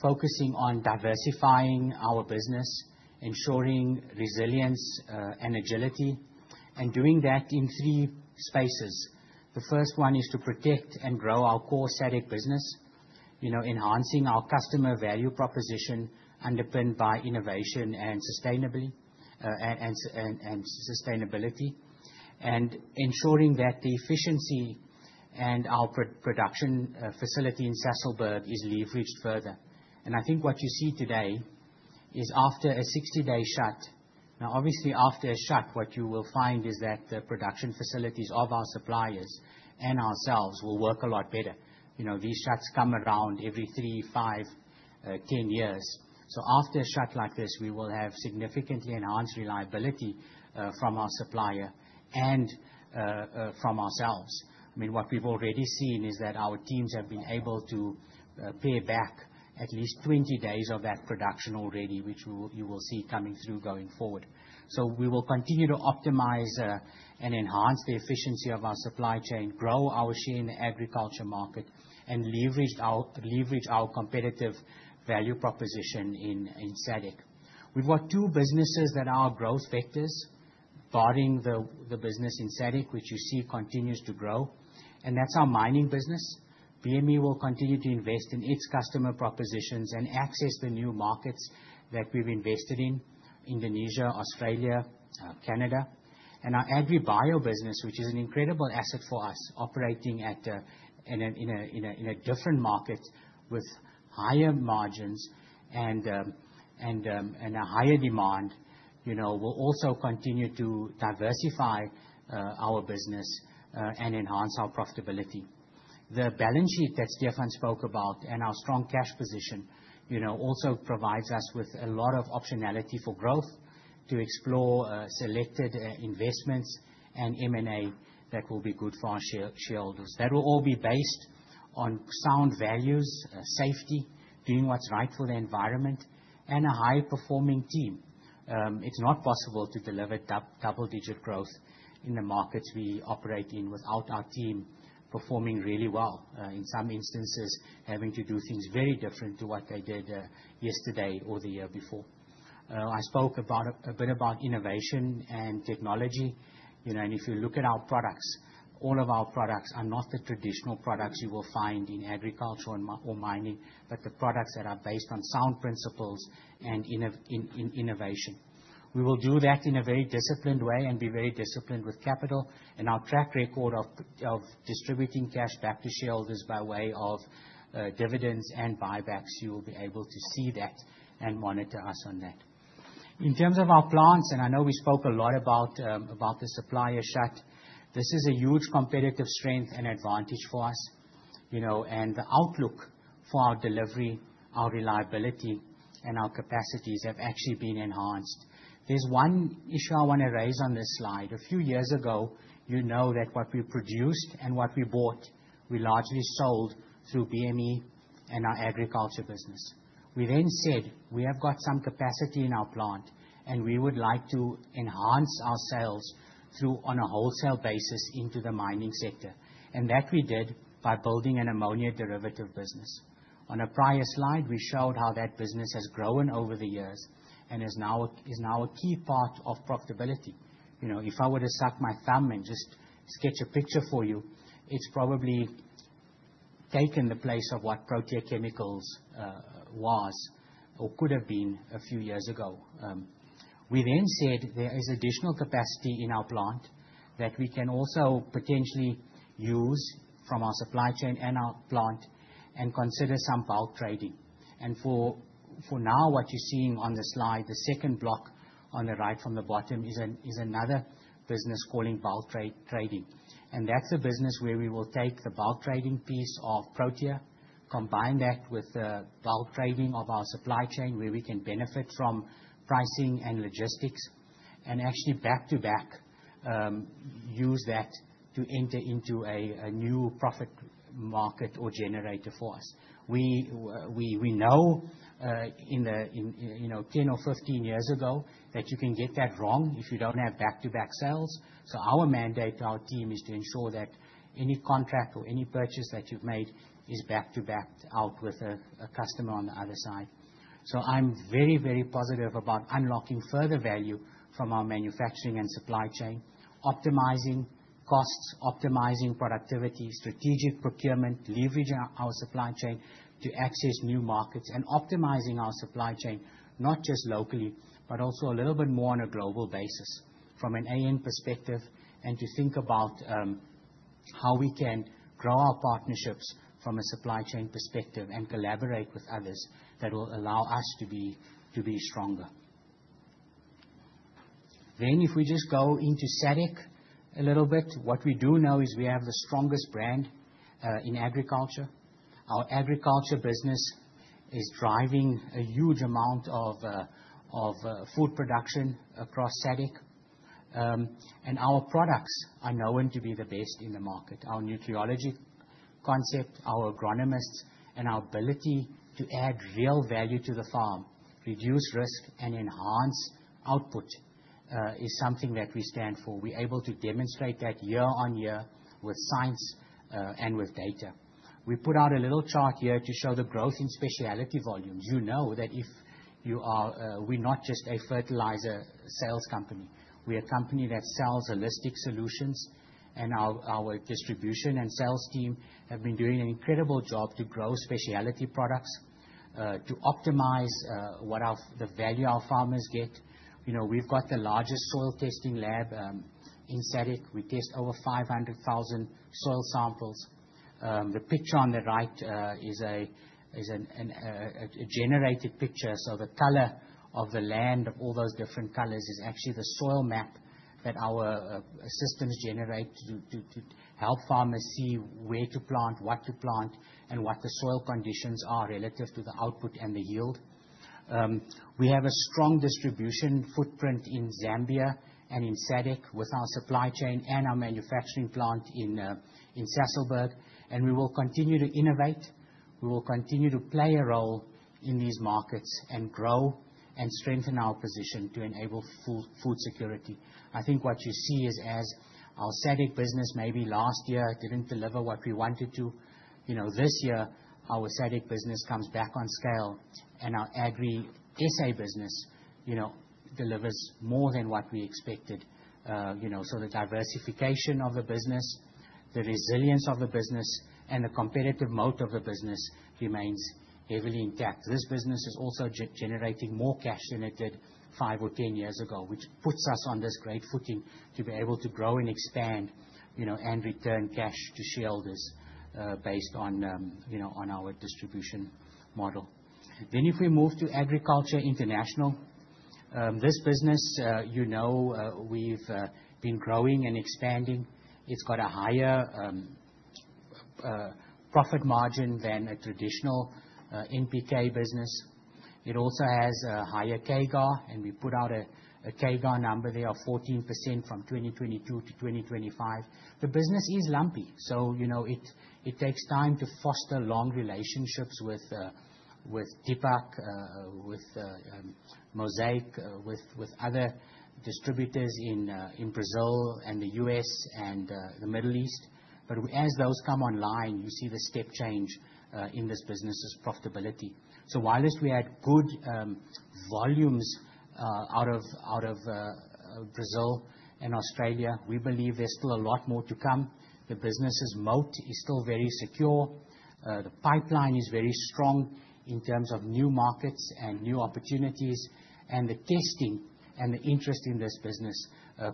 Speaker 3: focusing on diversifying our business, ensuring resilience and agility, and doing that in three spaces. The first one is to protect and grow our core SADC business, enhancing our customer value proposition underpinned by innovation and sustainability, and ensuring that the efficiency and our production facility in Sasolburg is leveraged further. I think what you see today is after a 60-day shut. Obviously, after a shut, what you will find is that the production facilities of our suppliers and ourselves will work a lot better. These shuts come around every three, five, ten years. After a shut like this, we will have significantly enhanced reliability from our supplier and from ourselves. I mean, what we've already seen is that our teams have been able to pay back at least 20 days of that production already, which you will see coming through going forward. We will continue to optimize and enhance the efficiency of our supply chain, grow our share in the agriculture market, and leverage our competitive value proposition in SADC. We have two businesses that are our growth factors, barring the business in SADC, which you see continues to grow. That is our mining business. BME will continue to invest in its customer propositions and access the new markets that we have invested in: Indonesia, Australia, Canada. Our agribio business, which is an incredible asset for us, operating in a different market with higher margins and a higher demand, will also continue to diversify our business and enhance our profitability. The balance sheet that Stefan spoke about and our strong cash position also provides us with a lot of optionality for growth to explore selected investments and M&A that will be good for our shareholders. That will all be based on sound values, safety, doing what's right for the environment, and a high-performing team. It's not possible to deliver double-digit growth in the markets we operate in without our team performing really well, in some instances having to do things very different to what they did yesterday or the year before. I spoke a bit about innovation and technology. If you look at our products, all of our products are not the traditional products you will find in agriculture or mining, but the products that are based on sound principles and innovation. We will do that in a very disciplined way and be very disciplined with capital. Our track record of distributing cash back to shareholders by way of dividends and buybacks, you will be able to see that and monitor us on that. In terms of our plants, and I know we spoke a lot about the supplier shut, this is a huge competitive strength and advantage for us. The outlook for our delivery, our reliability, and our capacities have actually been enhanced. There is one issue I want to raise on this slide. A few years ago, you know that what we produced and what we bought, we largely sold through BME and our agriculture business. We then said we have got some capacity in our plant, and we would like to enhance our sales through on a wholesale basis into the mining sector. That we did by building an ammonia derivatives business. On a prior slide, we showed how that business has grown over the years and is now a key part of profitability. If I were to suck my thumb and just sketch a picture for you, it's probably taken the place of what Protea Chemicals was or could have been a few years ago. We then said there is additional capacity in our plant that we can also potentially use from our supply chain and our plant and consider some bulk trading. For now, what you're seeing on the slide, the second block on the right from the bottom is another business called bulk trading. That's a business where we will take the bulk trading piece of Protea, combine that with the bulk trading of our supply chain, where we can benefit from pricing and logistics, and actually back to back use that to enter into a new profit market or generator for us. We know in 10 or 15 years ago that you can get that wrong if you don't have back-to-back sales. Our mandate to our team is to ensure that any contract or any purchase that you've made is back-to-back out with a customer on the other side. I'm very, very positive about unlocking further value from our manufacturing and supply chain, optimizing costs, optimizing productivity, strategic procurement, leveraging our supply chain to access new markets, and optimizing our supply chain, not just locally, but also a little bit more on a global basis from an end perspective and to think about how we can grow our partnerships from a supply chain perspective and collaborate with others that will allow us to be stronger. If we just go into SADC a little bit, what we do know is we have the strongest brand in agriculture. Our agriculture business is driving a huge amount of food production across SADC. Our products are known to be the best in the market. Our nutriology concept, our agronomists, and our ability to add real value to the farm, reduce risk, and enhance output is something that we stand for. We're able to demonstrate that year on year with science and with data. We put out a little chart here to show the growth in specialty volume. You know that if you are we're not just a fertilizer sales company. We're a company that sells holistic solutions. Our distribution and sales team have been doing an incredible job to grow specialty products, to optimize the value our farmers get. We've got the largest soil testing lab in SADC. We test over 500,000 soil samples. The picture on the right is a generated picture. The color of the land, of all those different colors, is actually the soil map that our systems generate to help farmers see where to plant, what to plant, and what the soil conditions are relative to the output and the yield. We have a strong distribution footprint in Zambia and in SADC with our supply chain and our manufacturing plant in Sasolburg. We will continue to innovate. We will continue to play a role in these markets and grow and strengthen our position to enable food security. I think what you see is as our SADC business maybe last year did not deliver what we wanted to. This year, our SADC business comes back on scale. Our agri SA business delivers more than what we expected. The diversification of the business, the resilience of the business, and the competitive moat of the business remains heavily intact. This business is also generating more cash than it did five or ten years ago, which puts us on this great footing to be able to grow and expand and return cash to shareholders based on our distribution model. If we move to agriculture international, this business, you know we've been growing and expanding. It's got a higher profit margin than a traditional NPK business. It also has a higher KGAR. We put out a KGAR number there of 14% from 2022 to 2025. The business is lumpy. It takes time to foster long relationships with TPAC, with Mosaic, with other distributors in Brazil and the US and the Middle East. As those come online, you see the step change in this business's profitability. While we had good volumes out of Brazil and Australia, we believe there's still a lot more to come. The business's moat is still very secure. The pipeline is very strong in terms of new markets and new opportunities. The testing and the interest in this business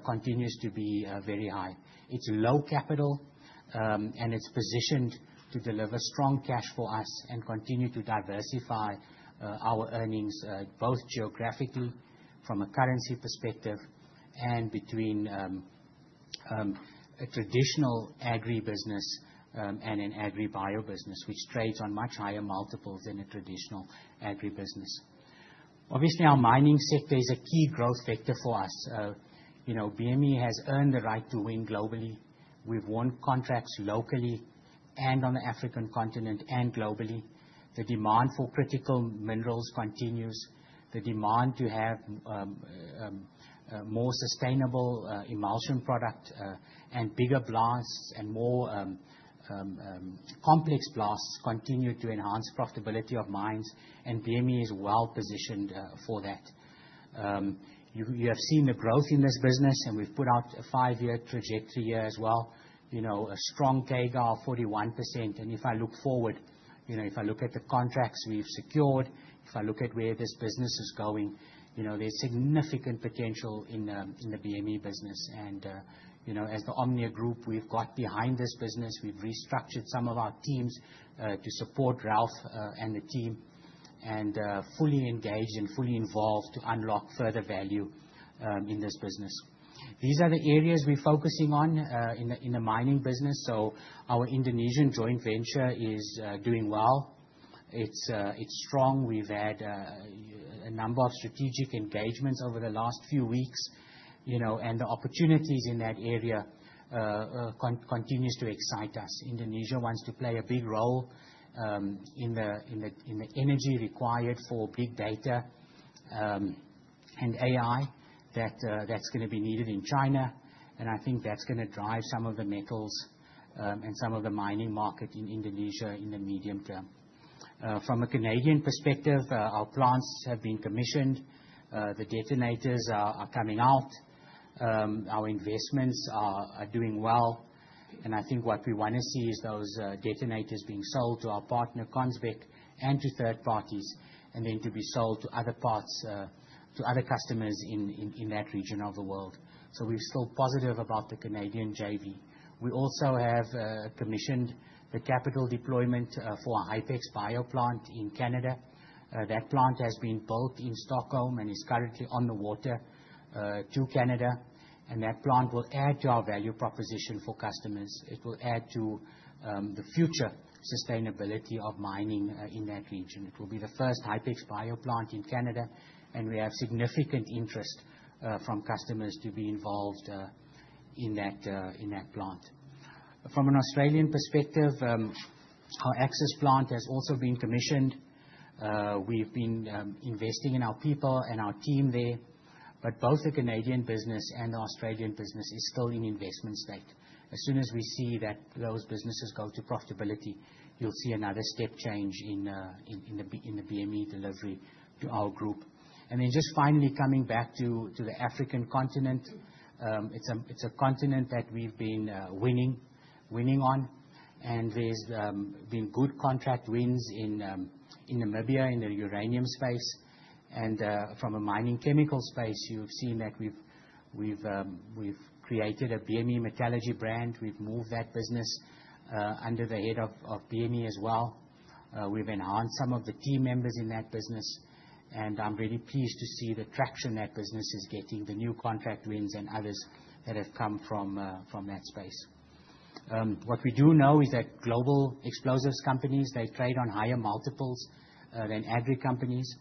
Speaker 3: continues to be very high. It's low capital, and it's positioned to deliver strong cash for us and continue to diversify our earnings both geographically from a currency perspective and between a traditional agri business and an agribio business, which trades on much higher multiples than a traditional agri business. Obviously, our mining sector is a key growth factor for us. BME has earned the right to win globally. We've won contracts locally and on the African continent and globally. The demand for critical minerals continues. The demand to have more sustainable emulsion product and bigger blasts and more complex blasts continue to enhance profitability of mines. BME is well positioned for that. You have seen the growth in this business, and we've put out a five-year trajectory here as well. A strong KGAR, 41%. If I look forward, if I look at the contracts we've secured, if I look at where this business is going, there's significant potential in the BME business. As the Omnia Group, we've got behind this business. We've restructured some of our teams to support Ralph and the team and fully engaged and fully involved to unlock further value in this business. These are the areas we're focusing on in the mining business. Our Indonesian joint venture is doing well. It's strong. We've had a number of strategic engagements over the last few weeks. The opportunities in that area continue to excite us. Indonesia wants to play a big role in the energy required for big data and AI that's going to be needed in China. I think that's going to drive some of the metals and some of the mining market in Indonesia in the medium term. From a Canadian perspective, our plants have been commissioned. The detonators are coming out. Our investments are doing well. I think what we want to see is those detonators being sold to our partner, Consbec, and to third parties, and then to be sold to other parts, to other customers in that region of the world. We are so positive about the Canadian JV. We also have commissioned the capital deployment for Hifex BioPlant in Canada. That plant has been built in Stockholm and is currently on the water to Canada. That plant will add to our value proposition for customers. It will add to the future sustainability of mining in that region. It will be the first Hifex Bio plant in Canada. We have significant interest from customers to be involved in that plant. From an Australian perspective, our Axis plant has also been commissioned. We've been investing in our people and our team there. Both the Canadian business and the Australian business is still in investment state. As soon as we see that those businesses go to profitability, you'll see another step change in the BME delivery to our group. Finally, coming back to the African continent, it's a continent that we've been winning on. There's been good contract wins in Namibia in the uranium space. From a mining chemical space, you've seen that we've created a BME metallurgy brand. We've moved that business under the head of BME as well. We've enhanced some of the key members in that business. I'm really pleased to see the traction that business is getting, the new contract wins and others that have come from that space. What we do know is that global explosives companies trade on higher multiples than agri companies.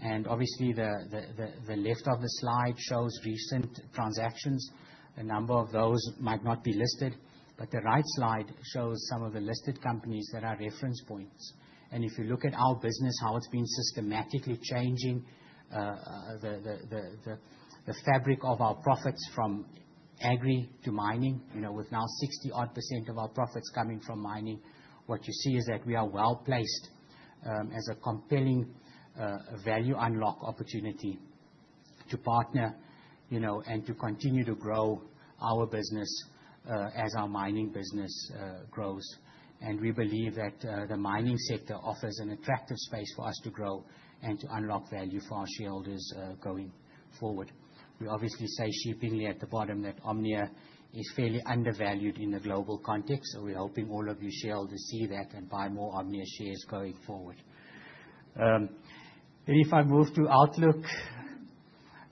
Speaker 3: The left of the slide shows recent transactions. A number of those might not be listed. The right slide shows some of the listed companies that are reference points. If you look at our business, how it's been systematically changing the fabric of our profits from agri to mining, with now 60-odd % of our profits coming from mining, what you see is that we are well placed as a compelling value unlock opportunity to partner and to continue to grow our business as our mining business grows. We believe that the mining sector offers an attractive space for us to grow and to unlock value for our shareholders going forward. We obviously say shippingly at the bottom that Omnia is fairly undervalued in the global context. We are hoping all of you shareholders see that and buy more Omnia shares going forward. If I move to Outlook,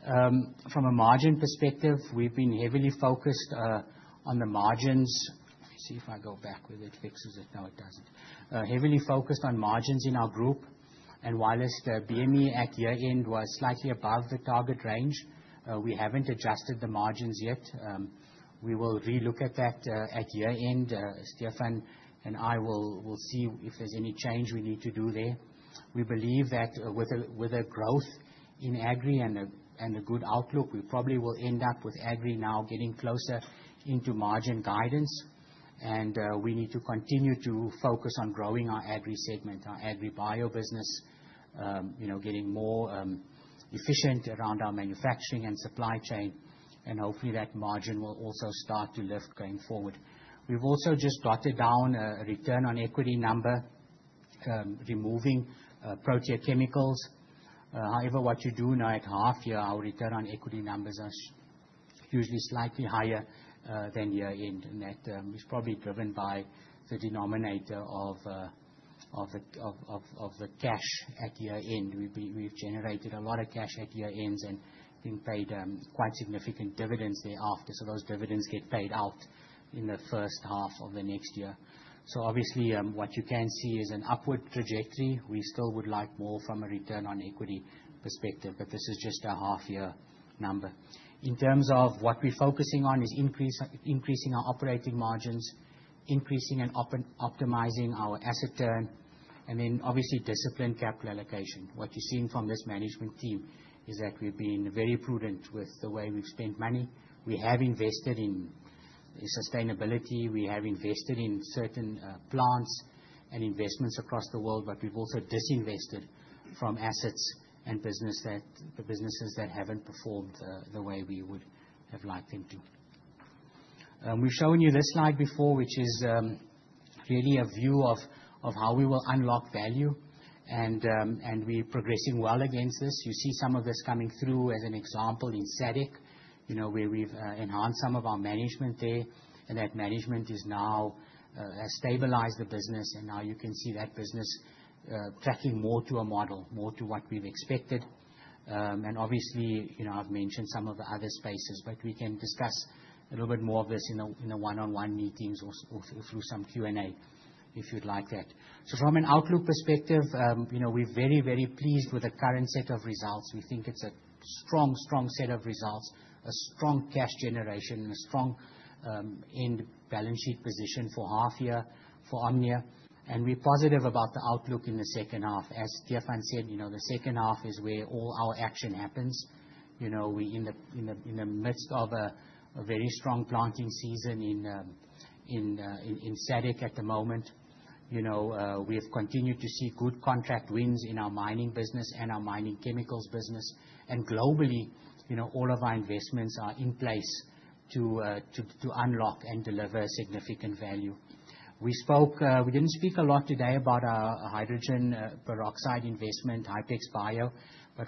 Speaker 3: from a margin perspective, we have been heavily focused on the margins. Let me see if I go back with it. It fixes it. No, it does. Heavily focused on margins in our group. While BME at year-end was slightly above the target range, we have not adjusted the margins yet. We will relook at that at year-end. Stefan and I will see if there is any change we need to do there. We believe that with a growth in agri and a good outlook, we probably will end up with agri now getting closer into margin guidance. We need to continue to focus on growing our agri segment, our agri bio business, getting more efficient around our manufacturing and supply chain. Hopefully, that margin will also start to lift going forward. We've also just gotten down a return on equity number, removing Protea Chemicals. However, what you do know at half-year, our return on equity numbers are usually slightly higher than year-end. That is probably driven by the denominator of the cash at year-end. We've generated a lot of cash at year-ends and paid quite significant dividends thereafter. Those dividends get paid out in the first half of the next year. Obviously, what you can see is an upward trajectory. We still would like more from a return on equity perspective, but this is just a half-year number. In terms of what we're focusing on is increasing our operating margins, increasing and optimizing our asset turn, and then obviously disciplined capital allocation. What you've seen from this management team is that we've been very prudent with the way we've spent money. We have invested in sustainability. We have invested in certain plants and investments across the world, but we've also disinvested from assets and businesses that haven't performed the way we would have liked them to. We've shown you this slide before, which is really a view of how we will unlock value. We're progressing well against this. You see some of this coming through as an example in SADC, where we've enhanced some of our management there. That management has stabilized the business. You can see that business tracking more to our model, more to what we've expected. Obviously, I've mentioned some of the other spaces, but we can discuss a little bit more of this in the one-on-one meetings or through some Q&A if you'd like that. From an outlook perspective, we're very, very pleased with the current set of results. We think it's a strong, strong set of results, a strong cash generation, and a strong end balance sheet position for half-year for Omnia. We're positive about the outlook in the second half. As Stefan said, the second half is where all our action happens. We're in the midst of a very strong planting season in SADC at the moment. We have continued to see good contract wins in our mining business and our mining chemicals business. Globally, all of our investments are in place to unlock and deliver significant value. We did not speak a lot today about our hydrogen peroxide investment, Hifex Bio.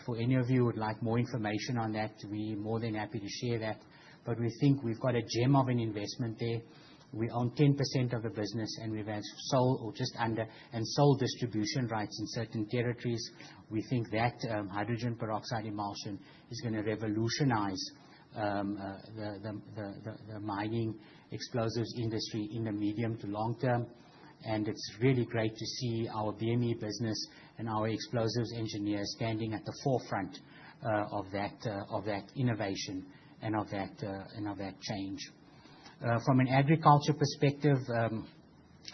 Speaker 3: For any of you who would like more information on that, we are more than happy to share that. We think we have got a gem of an investment there. We own 10% of the business, and we have had sole or just under and sole distribution rights in certain territories. We think that hydrogen peroxide emulsion is going to revolutionize the mining explosives industry in the medium to long term. It is really great to see our BME business and our explosives engineers standing at the forefront of that innovation and of that change. From an agriculture perspective,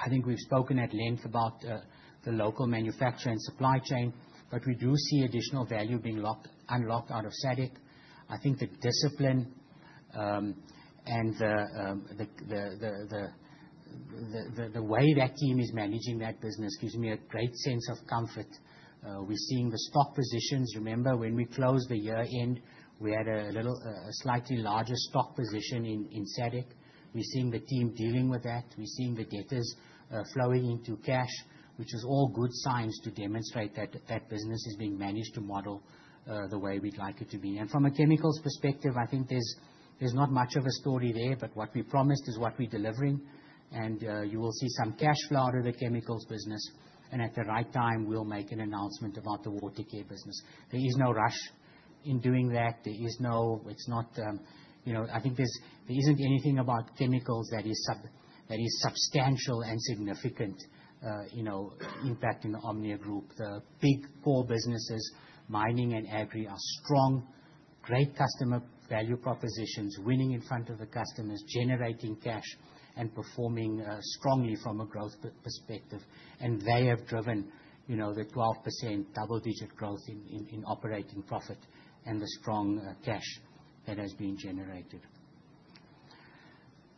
Speaker 3: I think we have spoken at length about the local manufacturing supply chain, but we do see additional value being unlocked out of SADC. I think the discipline and the way that team is managing that business gives me a great sense of comfort. We're seeing the stock positions. Remember, when we closed the year-end, we had a slightly larger stock position in SADC. We're seeing the team dealing with that. We're seeing the debtors flowing into cash, which is all good signs to demonstrate that that business is being managed to model the way we'd like it to be. From a chemicals perspective, I think there's not much of a story there, but what we promised is what we're delivering. You will see some cash flow out of the chemicals business. At the right time, we'll make an announcement about the water care business. There is no rush in doing that. I think there isn't anything about chemicals that is substantial and significant impact in the Omnia Group. The big four businesses, mining and agri, are strong, great customer value propositions, winning in front of the customers, generating cash, and performing strongly from a growth perspective. They have driven the 12% double-digit growth in operating profit and the strong cash that has been generated.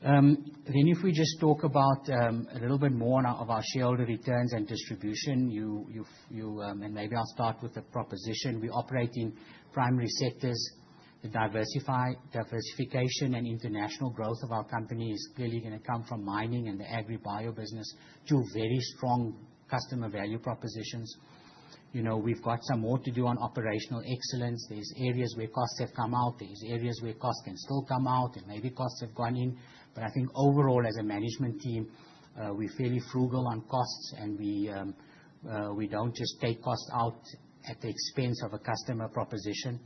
Speaker 3: If we just talk about a little bit more of our shareholder returns and distribution, and maybe I'll start with the proposition. We operate in primary sectors. Diversification and international growth of our company is clearly going to come from mining and the agri bio business to very strong customer value propositions. We've got some more to do on operational excellence. There's areas where costs have come out. There's areas where costs can still come out. There may be costs have gone in. I think overall, as a management team, we're fairly frugal on costs, and we don't just take costs out at the expense of a customer proposition.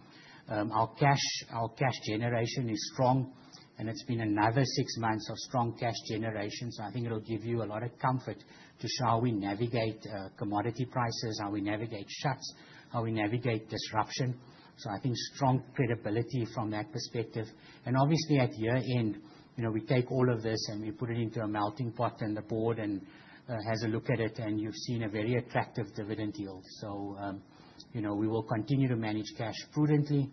Speaker 3: Our cash generation is strong, and it's been another six months of strong cash generation. I think it'll give you a lot of comfort to show how we navigate commodity prices, how we navigate shifts, how we navigate disruption. I think strong credibility from that perspective. Obviously, at year-end, we take all of this and we put it into a melting pot and the board has a look at it, and you've seen a very attractive dividend yield. We will continue to manage cash prudently,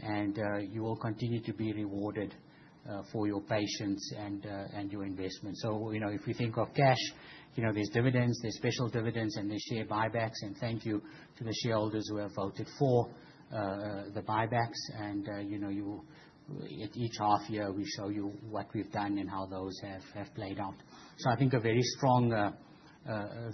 Speaker 3: and you will continue to be rewarded for your patience and your investment. If we think of cash, there's dividends, there's special dividends, and there's share buybacks. Thank you to the shareholders who have voted for the buybacks. At each half-year, we show you what we've done and how those have played out. I think a very strong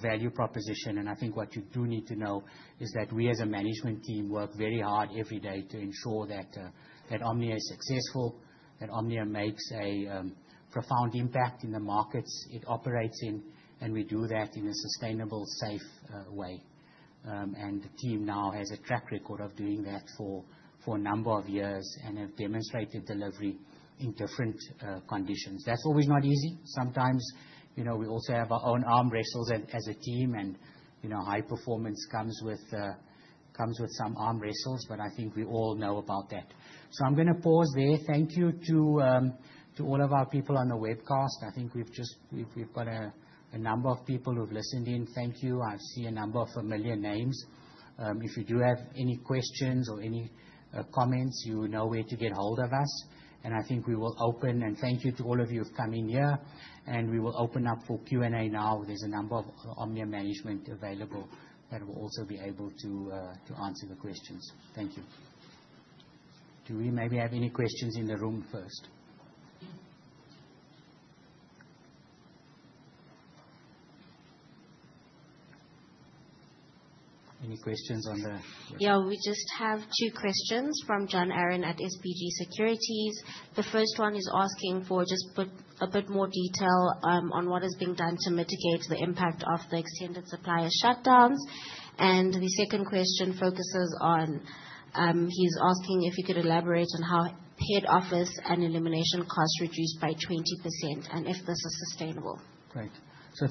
Speaker 3: value proposition. What you do need to know is that we, as a management team, work very hard every day to ensure that Omnia is successful, that Omnia makes a profound impact in the markets it operates in, and we do that in a sustainable, safe way. The team now has a track record of doing that for a number of years and have demonstrated delivery in different conditions. That is always not easy. Sometimes we also have our own arm wrestles as a team, and high performance comes with some arm wrestles, but I think we all know about that. I am going to pause there. Thank you to all of our people on the webcast. I think we've just got a number of people who've listened in. Thank you. I see a number of familiar names. If you do have any questions or any comments, you know where to get hold of us. I think we will open—thank you to all of you for coming here. We will open up for Q&A now. There is a number of Omnia management available that will also be able to answer the questions. Thank you. Do we maybe have any questions in the room first? Any questions on the—
Speaker 1: Yeah, we just have two questions from John Aaron at SPG Securities. The first one is asking for just a bit more detail on what is being done to mitigate the impact of the extended supplier shutdowns. The second question focuses on—he's asking if you could elaborate on how head office and elimination costs reduced by 20% and if this is sustainable.
Speaker 5: Great.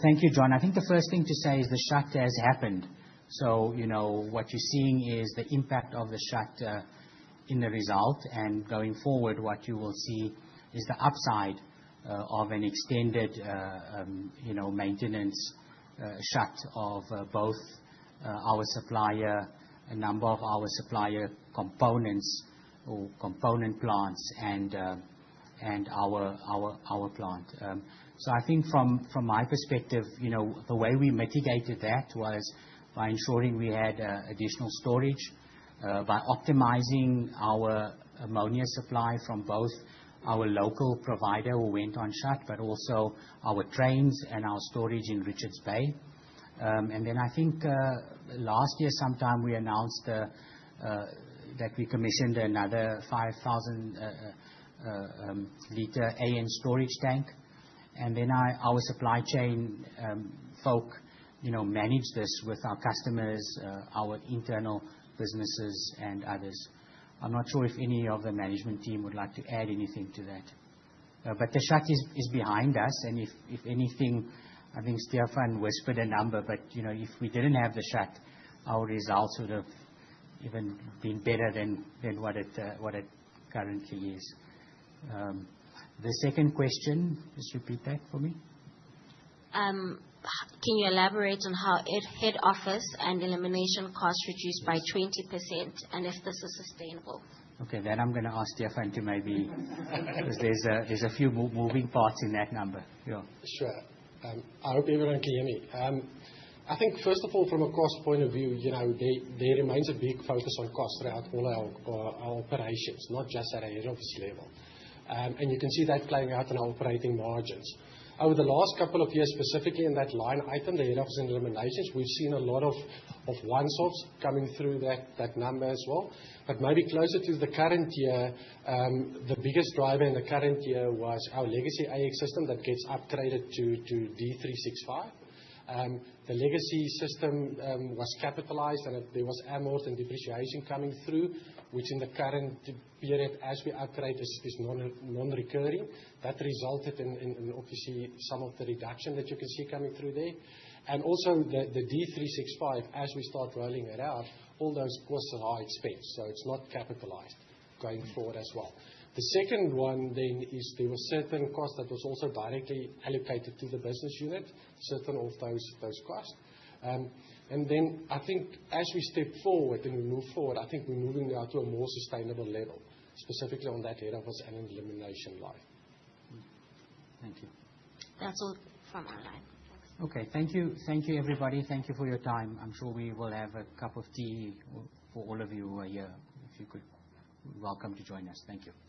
Speaker 5: Thank you, John. I think the first thing to say is the shutdown has happened. What you're seeing is the impact of the shutdown in the result. Going forward, what you will see is the upside of an extended maintenance shut of both our supplier, a number of our supplier components or component plants, and our plant. I think from my perspective, the way we mitigated that was by ensuring we had additional storage, by optimizing our ammonia supply from both our local provider who went on shut, but also our trains and our storage in Richards Bay. I think last year sometime we announced that we commissioned another 5,000-liter AM storage tank. Our supply chain folk managed this with our customers, our internal businesses, and others. I am not sure if any of the management team would like to add anything to that. The shut is behind us. If anything, I think Stefan whispered a number, but if we did not have the shut, our results would have even been better than what it currently is. The second question, just repeat that for me.
Speaker 1: Can you elaborate on how head office and elimination costs reduced by 20% and if this is sustainable?
Speaker 3: I am going to ask Stefan to maybe—there are a few moving parts in that number.
Speaker 5: For sure. I hope you are going to hear me. I think, first of all, from a cost point of view, there remains a big focus on costs throughout all our operations, not just at a head office level. You can see that playing out in our operating margins. Over the last couple of years, specifically in that line item, head office and eliminations, we've seen a lot of one source coming through that number as well. Maybe closer to the current year, the biggest driver in the current year was our legacy AX system that gets upgraded to D365. The legacy system was capitalized, and there was amortization and depreciation coming through, which in the current period, as we upgrade, is non-recurring. That resulted in, obviously, some of the reduction that you can see coming through there. Also, the D365, as we start rolling it out, all those costs are high expense. It's not capitalized going forward as well. The second one then is there was certain costs that was also directly allocated to the business unit, certain of those costs. I think as we step forward and we move forward, I think we're moving now to a more sustainable level, specifically on that head office and elimination life. Thank you.
Speaker 1: That's all from our end.
Speaker 3: Okay, thank you. Thank you, everybody. Thank you for your time. I'm sure we will have a cup of tea for all of you here. If you could, welcome to join us. Thank you.